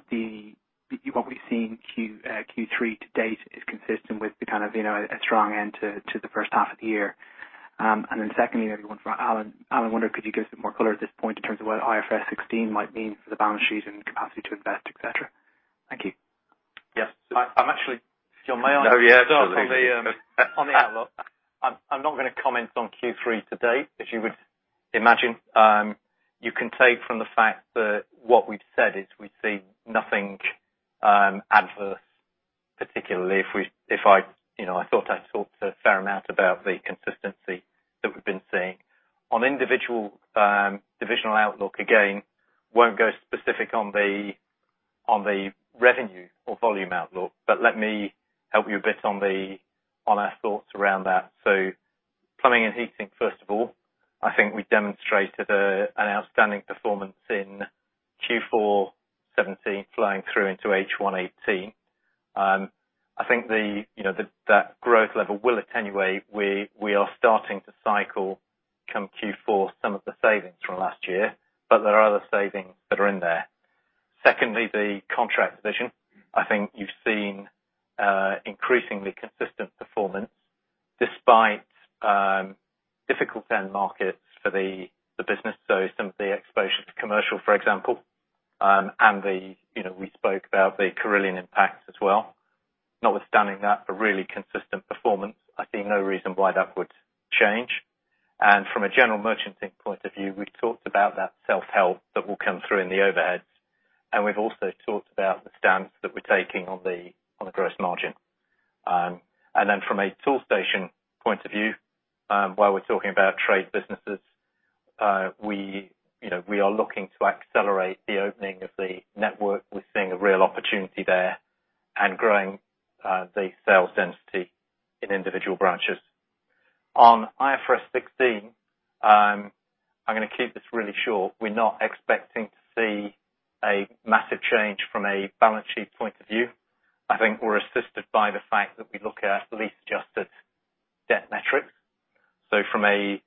what we've seen Q3 to date is consistent with the kind of a strong end to the first half of the year. Secondly, I have one for Alan. Alan, I wonder, could you give some more color at this point in terms of what IFRS 16 might mean for the balance sheet and capacity to invest, et cetera? John, may I? Oh, yeah. on the outlook? I'm not going to comment on Q3 to date, as you would imagine. You can take from the fact that what we've said is we see nothing adverse, particularly if I thought I'd talked a fair amount about the consistency that we've been seeing. On individual divisional outlook, again, won't go specific on the revenue or volume outlook, but let me help you a bit on our thoughts around that. Plumbing & Heating, first of all, I think we demonstrated an outstanding performance in Q4 2017 flowing through into H1 2018. I think that growth level will attenuate. We are starting to cycle come Q4 some of the savings from last year, but there are other savings that are in there. Secondly, the Contract division. I think you've seen increasingly consistent performance despite difficult end markets for the business. Some of the exposure to commercial, for example, and we spoke about the Carillion impact as well. Notwithstanding that, a really consistent performance. I see no reason why that would change. From a general merchanting point of view, we've talked about that self-help that will come through in the overheads, and we've also talked about the stance that we're taking on the gross margin. From a Toolstation point of view, while we're talking about trade businesses, we are looking to accelerate the opening of the network. We're seeing a real opportunity there and growing the sales density in individual branches. On IFRS 16, I'm going to keep this really short. We're not expecting to see a massive change from a balance sheet point of view. I think we're assisted by the fact that we look at lease-adjusted debt metrics. From a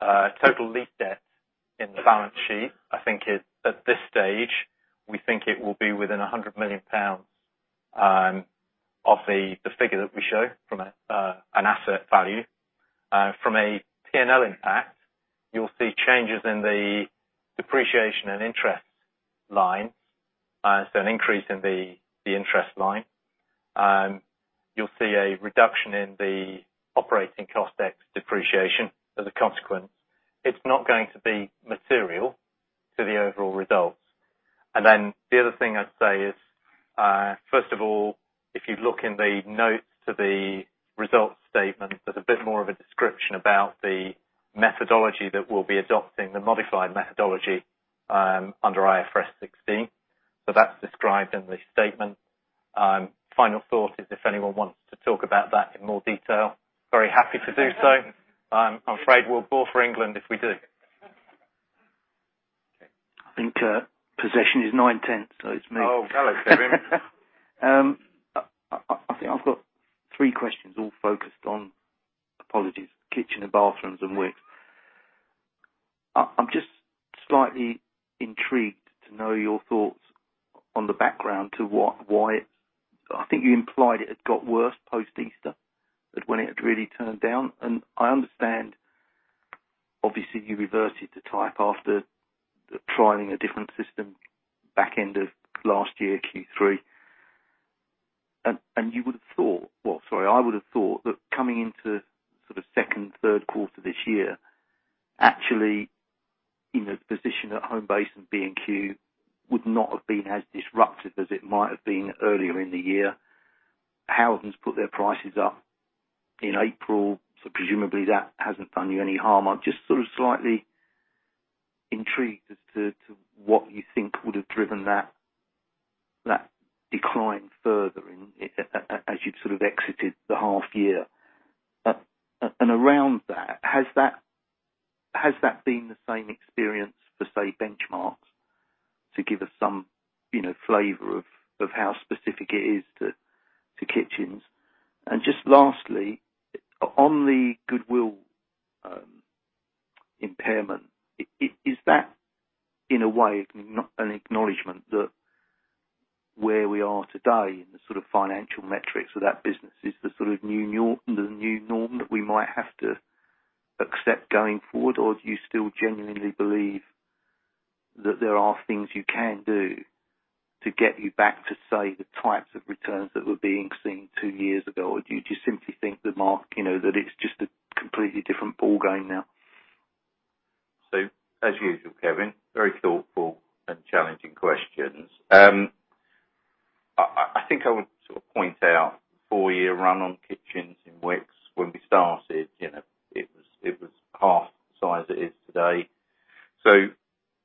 total lease debt in the balance sheet, I think at this stage, we think it will be within 100 million pounds of the figure that we show from an asset value. From a P&L impact, you'll see changes in the depreciation and interest lines, so an increase in the interest line. You'll see a reduction in the operating cost, ex depreciation as a consequence. It's not going to be material to the overall results. The other thing I'd say is, first of all, if you look in the notes to the results statement, there's a bit more of a description about the methodology that we'll be adopting, the modified methodology under IFRS 16. That's described in the statement. Final thought is if anyone wants to talk about that in more detail, very happy to do so. I'm afraid we'll bore for England if we do. I think possession is nine-tenths, it's me. Oh, hello, Kevin. I think I've got three questions all focused on, apologies, kitchen and bathrooms and Wickes. I'm just slightly intrigued to know your thoughts on the background to why I think you implied it had got worse post-Easter, that when it had really turned down, and I understand, obviously, you reverted to type after trying a different system back end of last year, Q3. You would have thought, well, sorry, I would have thought that coming into the second, third quarter this year, actually in a position at Homebase and B&Q would not have been as disruptive as it might have been earlier in the year. Howdens put their prices up in April, so presumably that hasn't done you any harm. I'm just slightly intrigued as to what you think would have driven that decline further as you've exited the half year. Around that, has that been the same experience for, say, Benchmarx to give us some flavor of how specific it is to kitchens? Lastly, on the goodwill impairment, is that, in a way, an acknowledgment that where we are today in the financial metrics of that business is the new norm that we might have to accept going forward? Or do you still genuinely believe that there are things you can do to get you back to, say, the types of returns that were being seen two years ago? Or do you just simply think that, Kevin, that it's just a completely different ballgame now? As usual, Kevin, very thoughtful and challenging questions. I think I would point out four-year run on kitchens in Wickes, when we started, it was half the size it is today.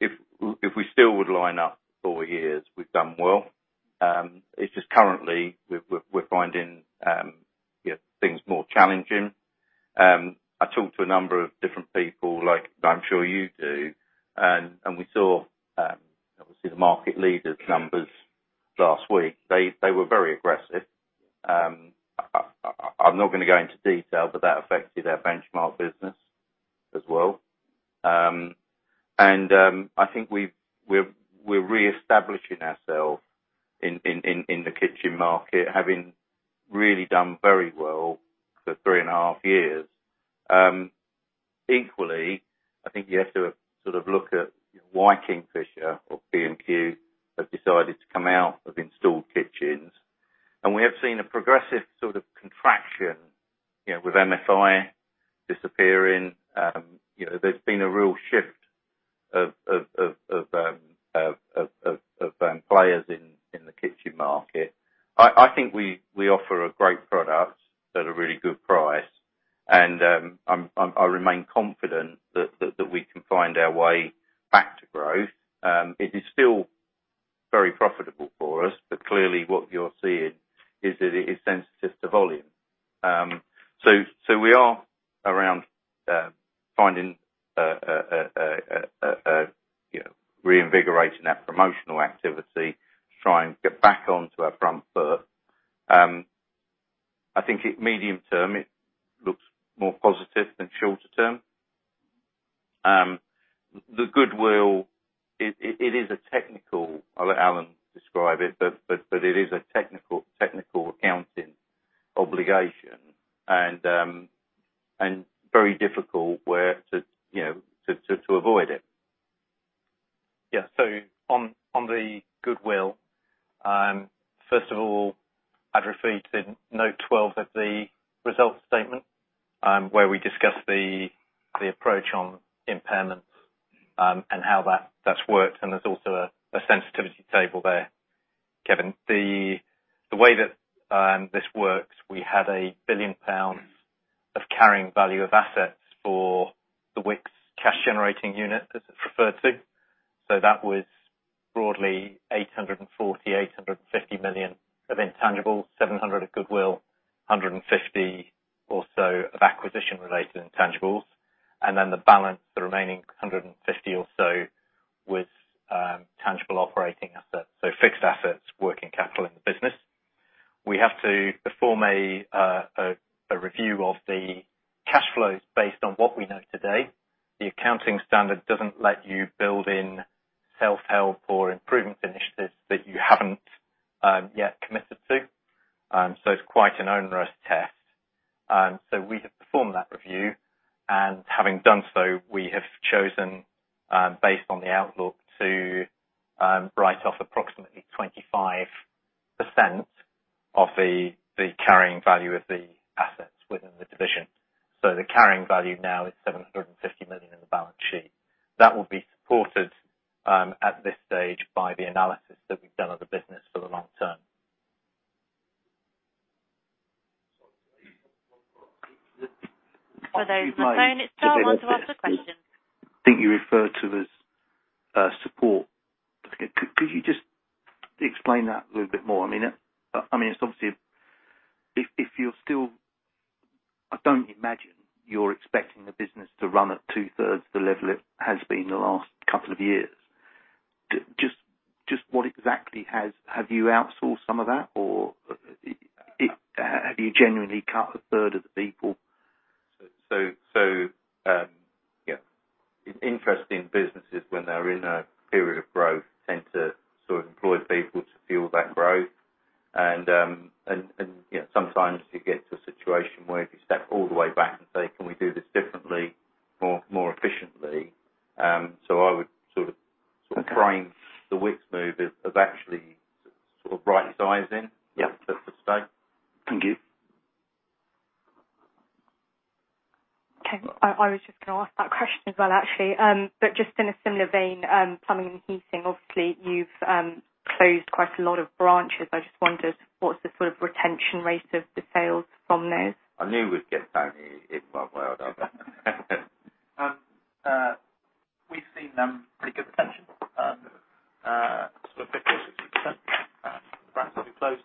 If we still would line up four years, we've done well. It's just currently we're finding things more challenging. I talked to a number of different people, like I'm sure you do, and we saw, obviously, the market leaders numbers last week. They were very aggressive. I'm not going to go into detail, but that affected our Benchmarx business as well. I think we're reestablishing ourselves in the kitchen market, having really done very well for three and a half years. Equally, I think you have to look at why Kingfisher or B&Q have decided to come out of installed kitchens. We have seen a progressive sort of contraction, with MFI disappearing. There's been a real shift of players in the kitchen market. I think we offer a great product at a really good price, and I remain confident that we can find our way back to growth. It is still very profitable for us, but clearly what you're seeing is that it is sensitive to volume. We are around finding, reinvigorating that promotional activity to try and get back onto our front foot. I think medium-term, it looks more positive than shorter-term. The goodwill, it is a technical, I'll let Alan describe it, but it is a technical accounting obligation and very difficult to avoid it. Yeah. On the goodwill, first of all, I'd refer you to Note 12 of the results statement, where we discuss the approach on impairments, and how that's worked, and there's also a sensitivity table there, Kevin. The way that this works, we had 1 billion pounds of carrying value of assets for the Wickes cash-generating unit, as it's referred to. That was broadly 840 million, 850 million of intangibles, 700 of goodwill, 150 or so of acquisition-related intangibles. The balance, the remaining 150 or so, was tangible operating assets. Fixed assets, working capital in the business. We have to perform a review of the cash flows based on what we know today. The accounting standard doesn't let you build in self-help or improvement initiatives that you haven't yet committed to. It's quite an onerous test. We have performed that review, and having done so, we have chosen, based on the outlook, to write off approximately 25% of the carrying value of the assets within the division. The carrying value now is 750 million in the balance sheet. That would be supported, at this stage, by the analysis that we've done of the business for the long term. Are those on the phone, it's Phil to ask a question. I think you referred to as support. Could you just explain that a little bit more? I mean, I don't imagine you're expecting the business to run at two-thirds the level it has been the last couple of years. Just what exactly, have you outsourced some of that, or have you genuinely cut a third of the people? Yeah. It's interesting, businesses, when they're in a period of growth, tend to employ people to fuel that growth. Sometimes you get to a situation where if you step all the way back and say, "Can we do this differently, more efficiently?" I would sort of- Okay frame the Wickes move of actually right-sizing- Yeah if I could say. Thank you. Okay. I was just going to ask that question as well, actually. Just in a similar vein, Plumbing and Heating, obviously, you've closed quite a lot of branches. I just wondered what's the sort of retention rate of the sales from those? I knew we'd get down here at one point or other. We've seen pretty good retention, sort of 50% or 60% of the branches we've closed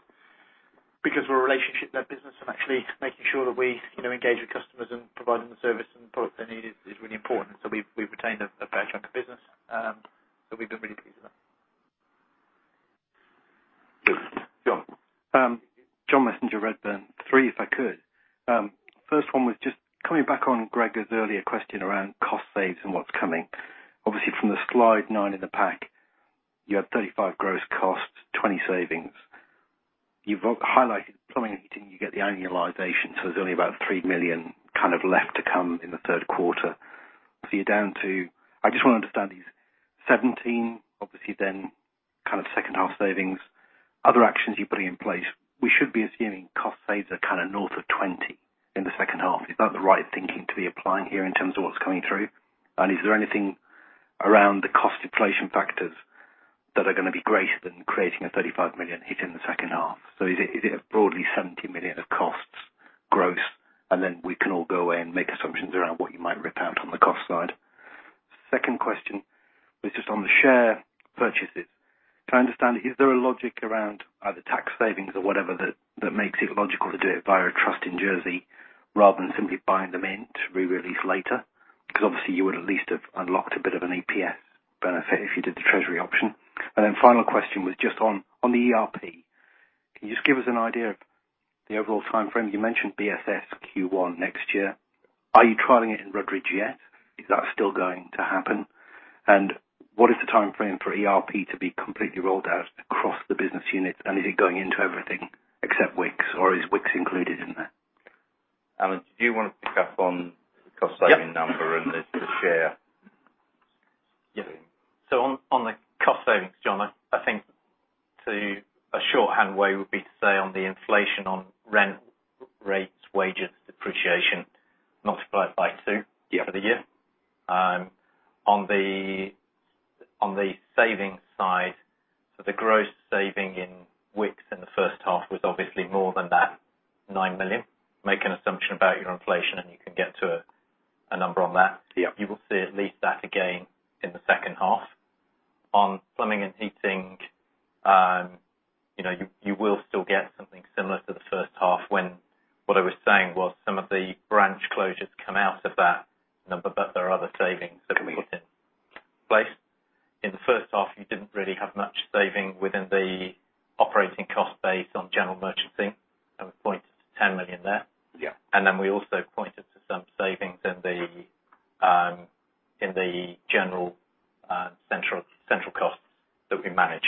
because we're a relationship-led business and actually making sure that we engage with customers and provide them the service and products they need is really important. We've retained a fair chunk of business, so we've been really pleased with that. John. John Messenger, Redburn. Three, if I could. First one was just coming back on Gregor's earlier question around cost saves and what is coming. Obviously, from the Slide nine in the pack, you had 35 gross costs, 20 savings. You have highlighted plumbing and heating, you get the annualization, so there is only about 3 million left to come in the third quarter. You are down to, I just want to understand these 17, obviously then second half savings, other actions you are putting in place. We should be assuming cost saves are north of 20 in the second half. Is that the right thinking to be applying here in terms of what is coming through? Is there anything around the cost inflation factors that are going to be greater than creating a 35 million hit in the second half? Is it broadly 70 million of costs gross? Then we can all go away and make assumptions around what you might rip out on the cost side. Second question was just on the share purchases. Can I understand, is there a logic around either tax savings or whatever that makes it logical to do it via a trust in Jersey rather than simply buying them in to re-release later? Obviously you would at least have unlocked a bit of an EPS benefit if you did the treasury option. Then final question was just on the ERP. Can you just give us an idea of the overall timeframe? You mentioned BSS Q1 next year. Are you trialing it in Rudridge yet? Is that still going to happen? What is the timeframe for ERP to be completely rolled out across the business unit? Is it going into everything except Wickes, or is Wickes included in there? Alan, do you want to pick up on the cost-saving number? Yeah the share? On the cost savings, John, I think a shorthand way would be to say on the inflation on rent, rates, wages, depreciation, multiplied by two. Yeah for the year. On the savings side, the gross saving in Wickes in the first half was obviously more than that 9 million. Make an assumption about your inflation, you can get to a number on that. Yeah. You will see at least that again in the second half. On plumbing and heating, you will still get something similar to the first half when what I was saying was some of the branch closures come out of that number, there are other savings that we put in place. In the first half, you didn't really have much saving within the operating cost base on general merchanting. We pointed to 10 million there. Yeah. We also pointed to some savings in the general central costs that we manage.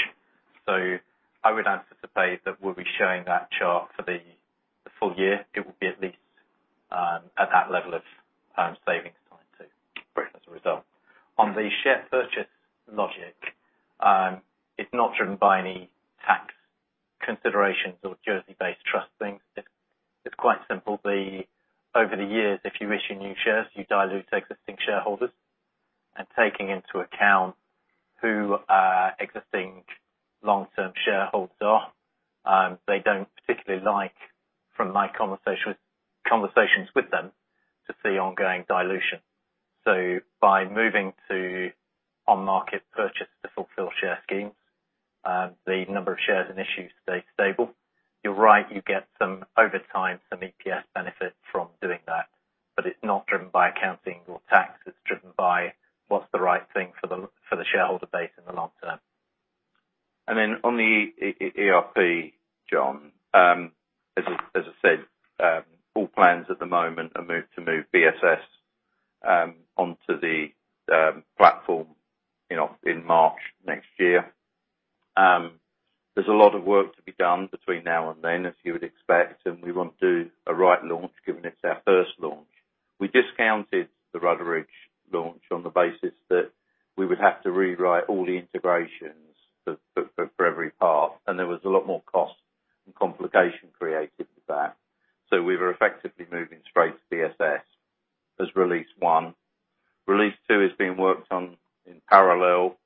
I would anticipate that we'll be showing that chart for the full year. It will be at least at that level of savings times two, as a result. On the share purchase logic, it's not driven by any tax considerations or Jersey-based trust things. It's quite simple. Over the years, if you issue new shares, you dilute existing shareholders. Taking into account who our existing long-term shareholders are, they don't particularly like, from my conversations with them, to see ongoing dilution. By moving to on-market purchase to fulfill share schemes, the number of shares and issues stay stable. You're right, you get some overtime, some EPS benefit from doing that. It's not driven by accounting or tax, it's driven by what's the right thing for the shareholder base in the long term. On the ERP, John, as I said, all plans at the moment are moved to move BSS onto the platform in March next year. There's a lot of work to be done between now and then, as you would expect, and we want to do a right launch given it's our first launch. We discounted the Rudridge launch on the basis that we would have to rewrite all the integrations for every path. There was a lot more cost and complication created with that. We were effectively moving straight to BSS as release 1. Release 2 is being worked on in parallel,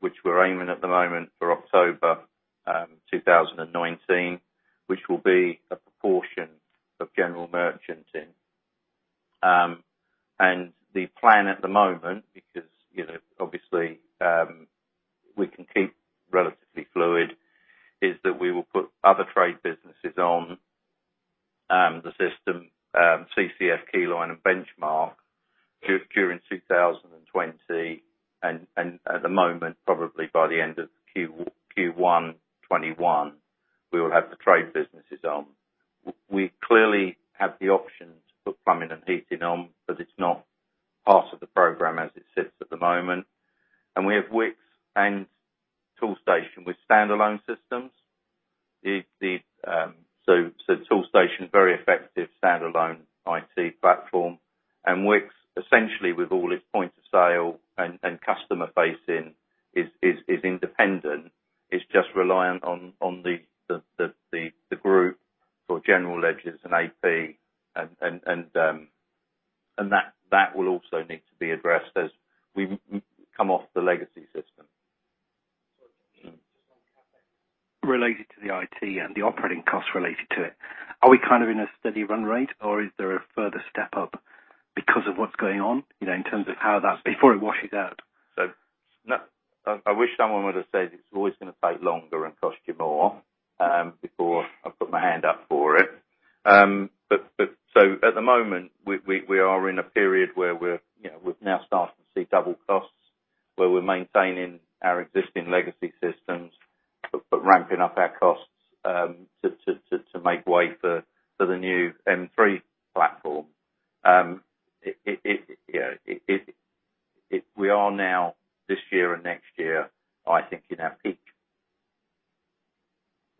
which we're aiming at the moment for October 2019, which will be a proportion of general merchanting. The plan at the moment, because obviously we can keep relatively fluid, is that we will put other trade businesses on the system, CCF, Keyline, and Benchmarx during 2020. At the moment, probably by the end of Q1 2021, we will have the trade businesses on. We clearly have the option to put plumbing and heating on, but it's not part of the program as it sits at the moment. We have Wickes and Toolstation with standalone systems. Toolstation, very effective standalone IT platform, and Wickes, essentially with all its point of sale and customer facing, is independent. It's just reliant on the group for general ledgers and AP, and that will also need to be addressed as we come off the legacy system. Can I just on CapEx. Related to the IT and the operating costs related to it, are we kind of in a steady run rate, or is there a further step up because of what's going on in terms of how that? I wish someone would have said it's always going to take longer and cost you more, before I put my hand up for it. At the moment, we are in a period where we've now started to see double costs, where we're maintaining our existing legacy systems, but ramping up our costs to make way for the new M3 platform. We are now, this year and next year, I think in our peak.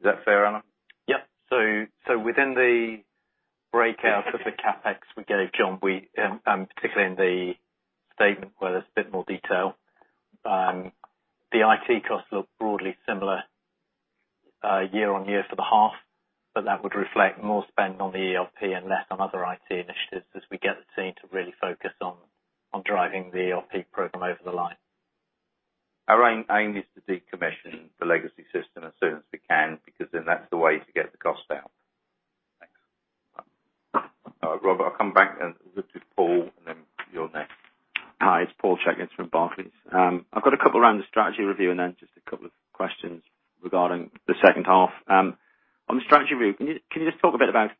Is that fair, Alan? Within the breakout of the CapEx we gave, John, and particularly in the statement where there's a bit more detail, the IT costs look broadly similar year-on-year for the half, but that would reflect more spend on the ERP and less on other IT initiatives as we get the team to really focus on driving the ERP program over the line. Our aim is to decommission the legacy system as soon as we can, because then that's the way to get the cost out. Thanks. Robert, I'll come back and look to Paul, then you're next. Hi, it's Paul Checketts from Barclays. I've got a couple around the strategy review, then just a couple of questions regarding the second half. On the strategy review, can you just talk a bit about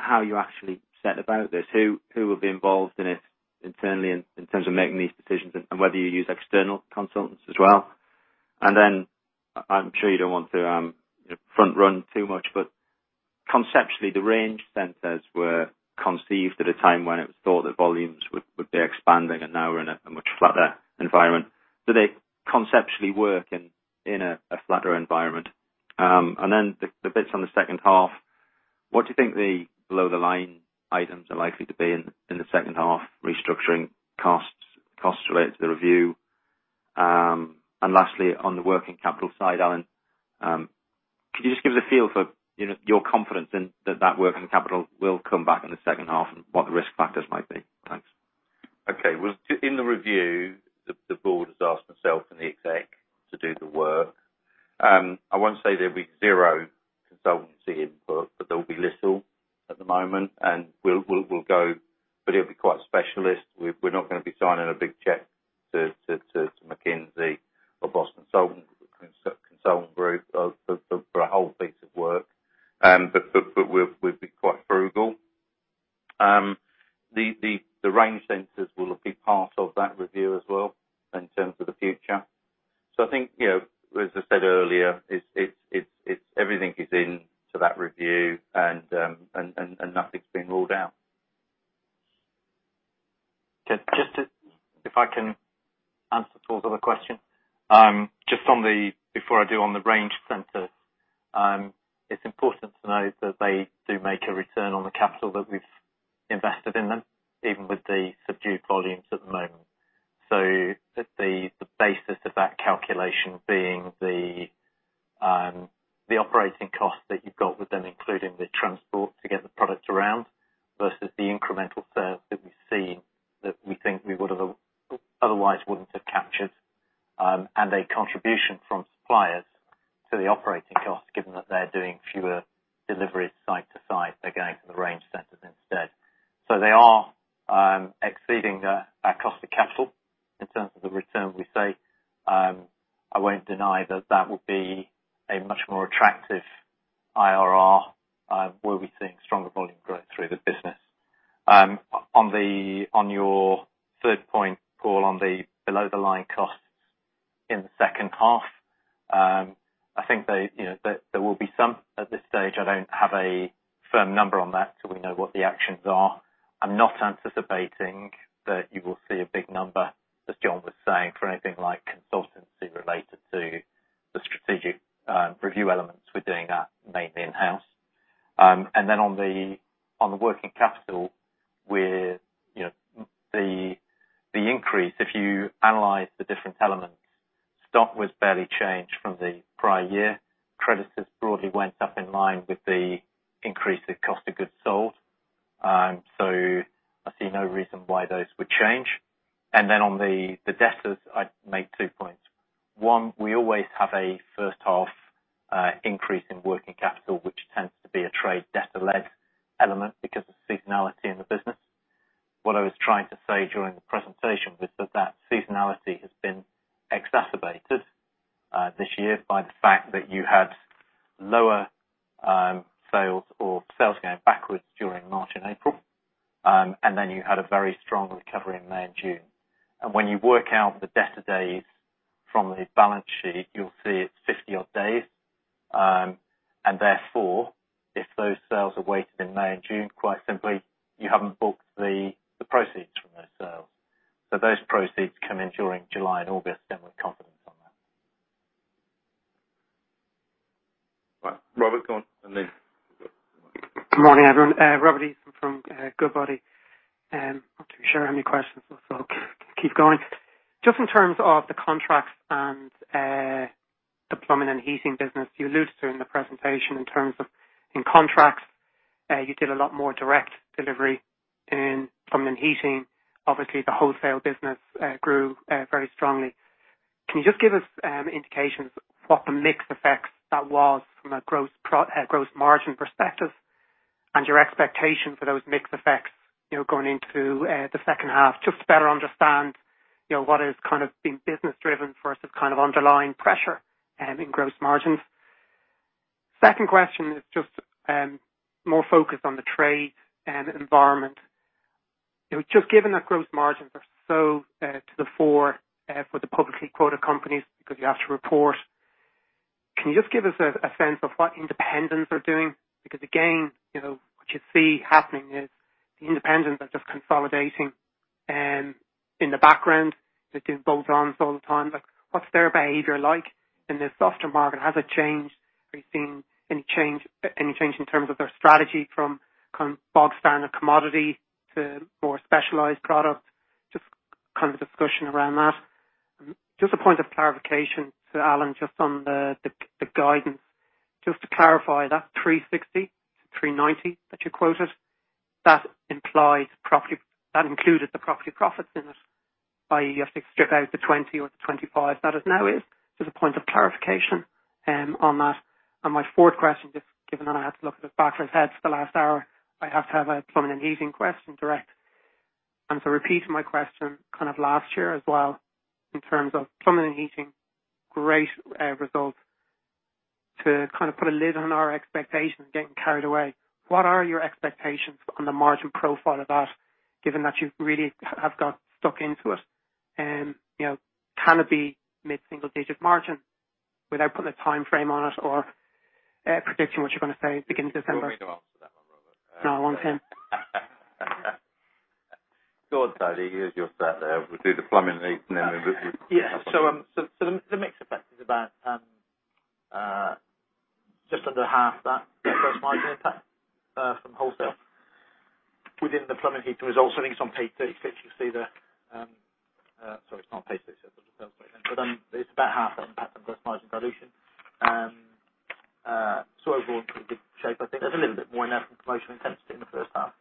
how you actually set about this? Who will be involved in it internally in terms of making these decisions, and whether you use external consultants as well? I'm sure you don't want to front run too much, Conceptually, the range centers were conceived at a time when it was thought that volumes would be expanding, and now we're in a much flatter environment. Do they conceptually work in a flatter environment? The bits on the second half, what do you think the below-the-line items are likely to be in the second half, restructuring costs related to the review? Lastly, on the working capital side, Alan, could you just give us a feel for your confidence in that working capital will come back in the second half, and what the risk factors might be? Thanks. Okay. In the review, the board has asked myself and the exec to do the work. I won't say there'll be zero consultancy input, but there'll be little at the moment, but it'll be quite specialist. We're not going to be signing a big check to McKinsey or Boston Consulting Group for a whole piece of work. We'll be quite frugal. The range centers will be part of that review as well in terms of the future. I think, as I said earlier, everything is in sales or sales going backwards during March and April, and then you had a very strong recovery in May and June. When you work out the debtor days from the balance sheet, you will see it is 50-odd days. Therefore, if those sales are weighted in May and June, quite simply, you have not booked the proceeds from those sales. Those proceeds come in during July and August, and we are confident on that. Right. Robert, go on, and then- Good morning, everyone. Robert Eason from Goodbody. Not too sure I have any questions left, so keep going. Just in terms of the contracts and the plumbing and heating business, you alluded to in the presentation in terms of in contracts, you did a lot more direct delivery in plumbing and heating. Obviously, the wholesale business grew very strongly. Can you just give us indications what the mix effects that was from a gross margin perspective and your expectation for those mix effects going into the second half, just to better understand what has been business driven versus kind of underlying pressure in gross margins? Second question is just more focused on the trade environment. Just given that gross margins are so to the fore for the publicly quoted companies because you have to report, can you just give us a sense of what independents are doing? Again, what you see happening is the independents are just consolidating in the background. They're doing bolt-ons all the time. What's their behavior like in this softer market? Has it changed? Are you seeing any change in terms of their strategy from bog standard commodity to more specialized product? Just kind of a discussion around that. Just a point of clarification, Alan, just on the guidance, just to clarify that 360-390 that you quoted, that included the property profits in it, i.e., you have to strip out the 20 or the 25 that it now is. Just a point of clarification on that. My fourth question, just given that I had to look at a bachelor's heads for the last hour, I have to have a plumbing and heating question direct. Repeating my question kind of last year as well, in terms of plumbing and heating, great results. To kind of put a lid on our expectations getting carried away, what are your expectations on the margin profile of that, given that you really have got stuck into it? Can it be mid-single digits margin without putting a timeframe on it or predicting what you're going to say beginning of December. You want me to answer that one, Robert? No, I want him. Go on, Tony. You're just sat there. We'll do the Plumbing and Heating and then we'll The mix effect is about just under half that gross margin impact from wholesale within the Plumbing and Heating results. I think it's on page 36, you'll see the Sorry, it's not page 36. It's about half that impact on gross margin dilution. Overall, pretty good shape. I think there's a little bit more in there from promotional intensity in the first half,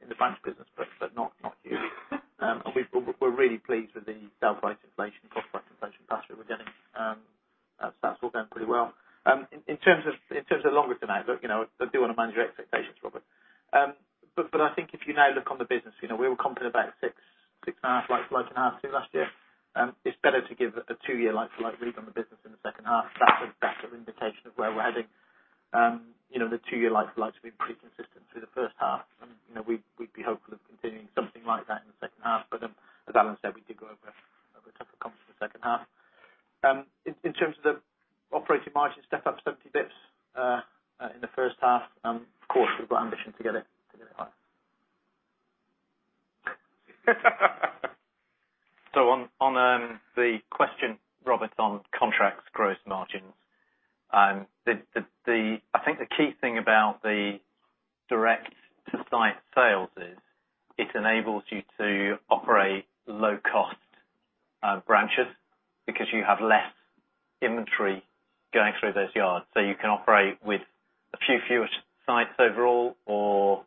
in the branch business, but not huge. We're really pleased with the sell price inflation, cost price inflation pass-through we're getting. That's all going pretty well. In terms of longer tonight, look, I do want to manage your expectations, Robert. I think if you now look on the business, we were confident about six and a half like-for-likes in half two last year. It's better to give a two-year like-for-like read on the business in the second half. That's a better indication of where we're heading. The two-year like-for-likes have been pretty consistent through the first half. We'd be hopeful of continuing something like that in the second half. As Alan said, we did go over a tougher comp for the second half. In terms of the operating margin step up 70 basis points in the first half. Of course, we've got ambition to get it higher. On the question, Robert, on contracts gross margins, I think the key thing about the direct-to-site sales is it enables you to operate low cost branches because you have less inventory going through those yards. You can operate with a few fewer sites overall or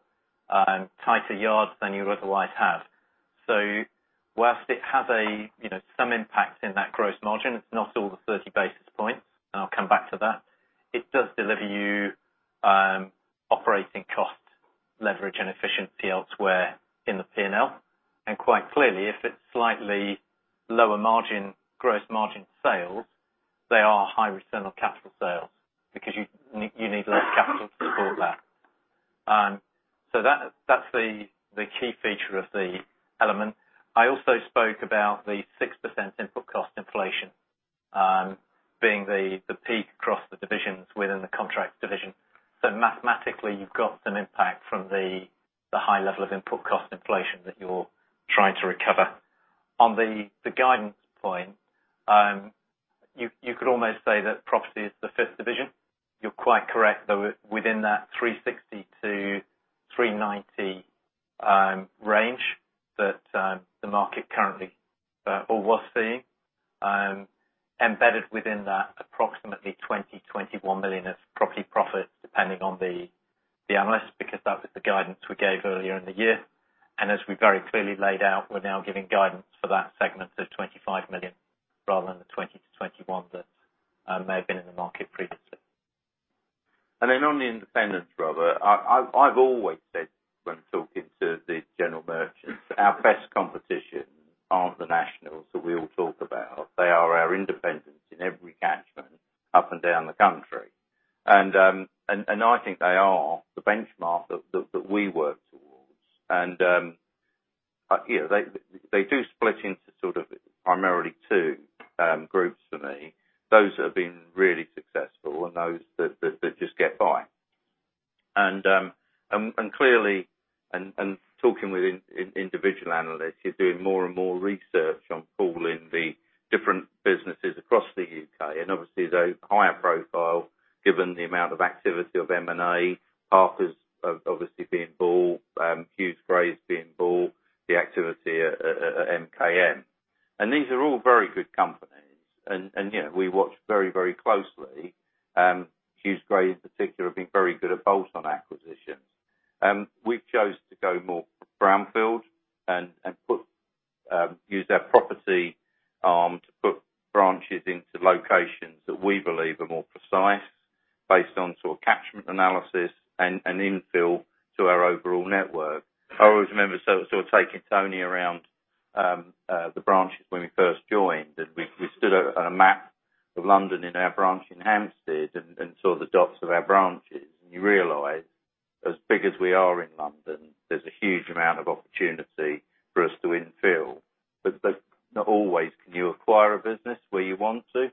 tighter yards than you otherwise have. Whilst it has some impact in that gross margin, it's not all the 30 basis points, and I'll come back to that. It does deliver you operating cost leverage and efficiency elsewhere in the P&L. Quite clearly, if it's slightly lower gross margin sales, they are high return on capital sales because you need less capital to support that. That's the key feature of the element. I also spoke about the 6% input cost inflation being the peak across the divisions within the contracts division. Mathematically, you've got some impact from the high level of input cost inflation that you're trying to recover. On the guidance point, you could almost say that property is the fifth division. You're quite correct, though, within that 360-390 range that the market currently or was seeing, embedded within that approximately 20 million, 21 million of property profits, depending on the analyst, because that was the guidance we gave earlier in the year. As we very clearly laid out, we're now giving guidance for that segment of 25 million rather than the 20-21 that may have been in the market previously. On the independents, Robert, I've always said when talking to the general merchants, our best competition aren't the nationals that we all talk about. They are our independents in every catchment up and down the country. I think they are the benchmark that we work towards. They do split into primarily two groups for me. Those that have been really successful and those that just get by. Clearly, and talking with individual analysts, you're doing more and more research on pooling the different businesses across the U.K. Obviously, they're higher profile given the amount of activity of M&A. Half has obviously been bought, Huws Gray's been bought, the activity at MKM. These are all very good companies, and we watch very closely. Huws Gray, in particular, have been very good at bolt-on acquisitions. We've chose to go more brownfield and use our property arm to put branches into locations that we believe are more precise based on catchment analysis and infill to our overall network. I always remember taking Tony around the branches when we first joined, and we stood on a map of London in our branch in Hampstead and saw the dots of our branches, and you realize as big as we are in London, there's a huge amount of opportunity for us to infill. Not always can you acquire a business where you want to.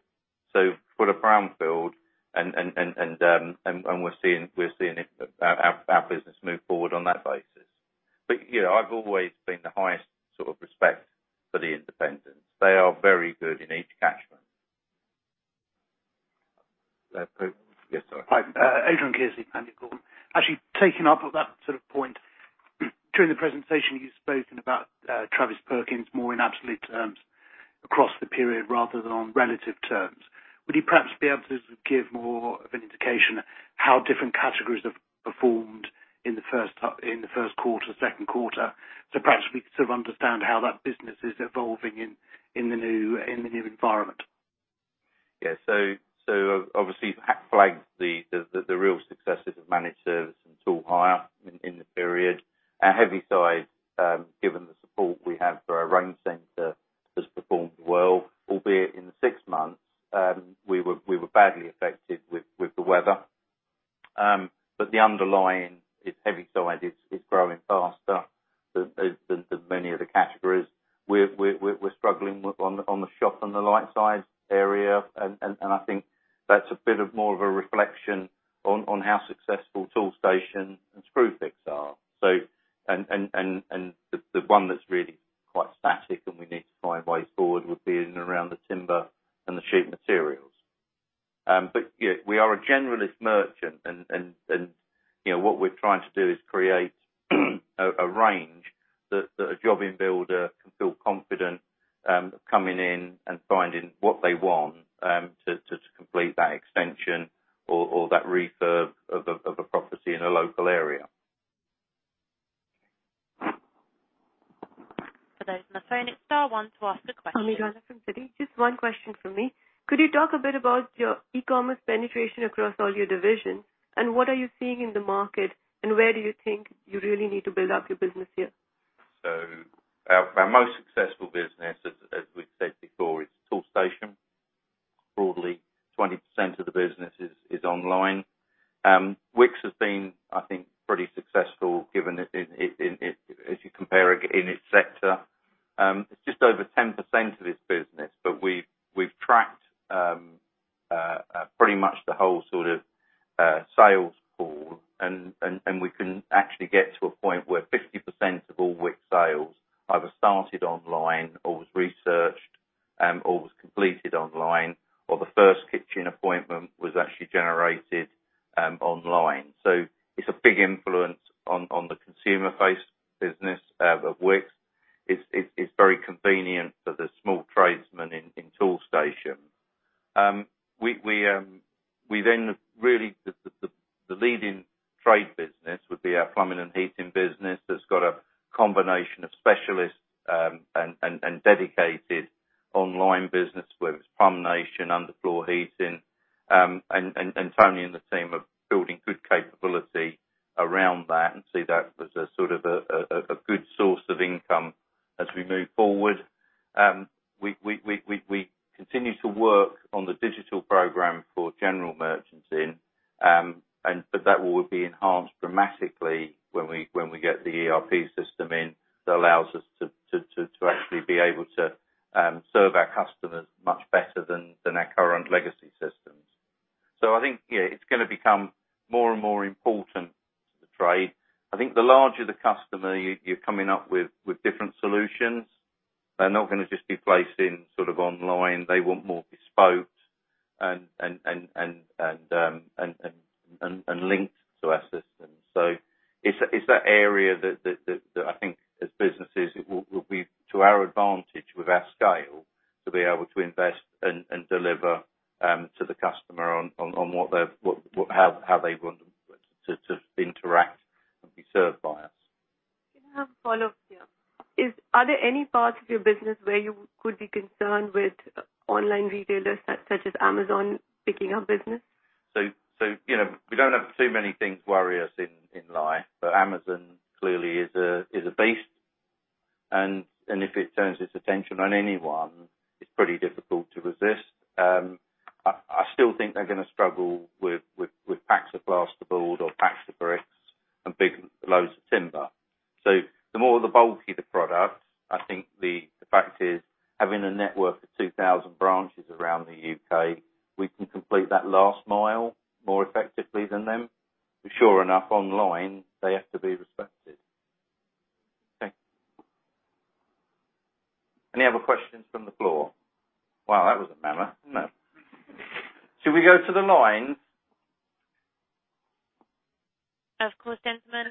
For the brownfield, we're seeing our business move forward on that basis. I've always been the highest respect for the independents. They are very good in each catchment. Yes, sorry. Hi. Adrian Kearsey, Panmure Gordon. Actually, taking up at that point during the presentation, you've spoken about Travis Perkins more in absolute terms across the period rather than on relative terms. Would you perhaps be able to give more of an indication how different categories have performed in the first quarter, second quarter, so perhaps we can understand how that business is evolving in the new environment? Yeah. Obviously, flagged the real successes of managed service and tool hire in the period. Our heavy side, given the support we have for our range center, has performed well. Albeit in the six months, we were badly affected with the weather. The underlying, its heavy side is growing faster than many of the categories. We're struggling on the shop and the light side area, and I think that's a bit of more of a reflection on how successful Toolstation and Screwfix are. The one that's really quite static and we need to find ways forward would be in and around the timber and the sheet materials. Yeah, we are a generalist merchant, and what we're trying to do is create a range that a jobbing builder can feel confident coming in and finding what they want to complete that extension or that refurb of a property in a local area. For those on the phone, it's star one to ask a question. Ami from Citi. Just one question from me. Could you talk a bit about your e-commerce penetration across all your divisions, what are you seeing in the market, and where do you think you really need to build up your business here? Our most successful business, as we've said before, is Toolstation. Broadly, 20% of the business is online. Wickes has been, I think, pretty successful given as you compare it in its sector. It's just over 10% of its business. We've tracked pretty much the whole sales call and we can actually get to a point where 50% of all Wickes sales either started online or was researched or was completed online, or the first kitchen appointment was actually generated online. It's a big influence on the consumer-faced business of Wickes. It's very convenient for the small tradesman in Toolstation. Really, the leading trade business would be our plumbing and heating business that's got a combination of specialists and dedicated online business, whether it's PlumbNation, Underfloor Heating. Tony and the team are building good capability around that and see that as a good source of income as we move forward. We continue to work on the digital program for general merchanting, that will be enhanced dramatically when we get the ERP system in. That allows us to actually be able to serve our customers much better than our current legacy systems. I think it's going to become more and more important to the trade. I think the larger the customer, you're coming up with different solutions. They're not going to just be placed in online. They want more bespoke and linked to our systems. It's that area that I think as businesses, it will be to our advantage with our scale to be able to invest and deliver to the customer on how they want to interact and be served by us. Can I have a follow-up here? Are there any parts of your business where you could be concerned with online retailers such as Amazon picking up business? We don't have too many things worry us in life, Amazon clearly is a beast, and if it turns its attention on anyone, it's pretty difficult to resist. I still think they're going to struggle with packs of plasterboard or packs of bricks and big loads of timber. The more the bulky the product, I think the fact is having a network of 2,000 branches around the U.K., we can complete that last mile more effectively than them. Sure enough, online, they have to be respected. Thank you. Any other questions from the floor? Wow, that was a mammoth, wasn't it? Shall we go to the lines? Of course, gentlemen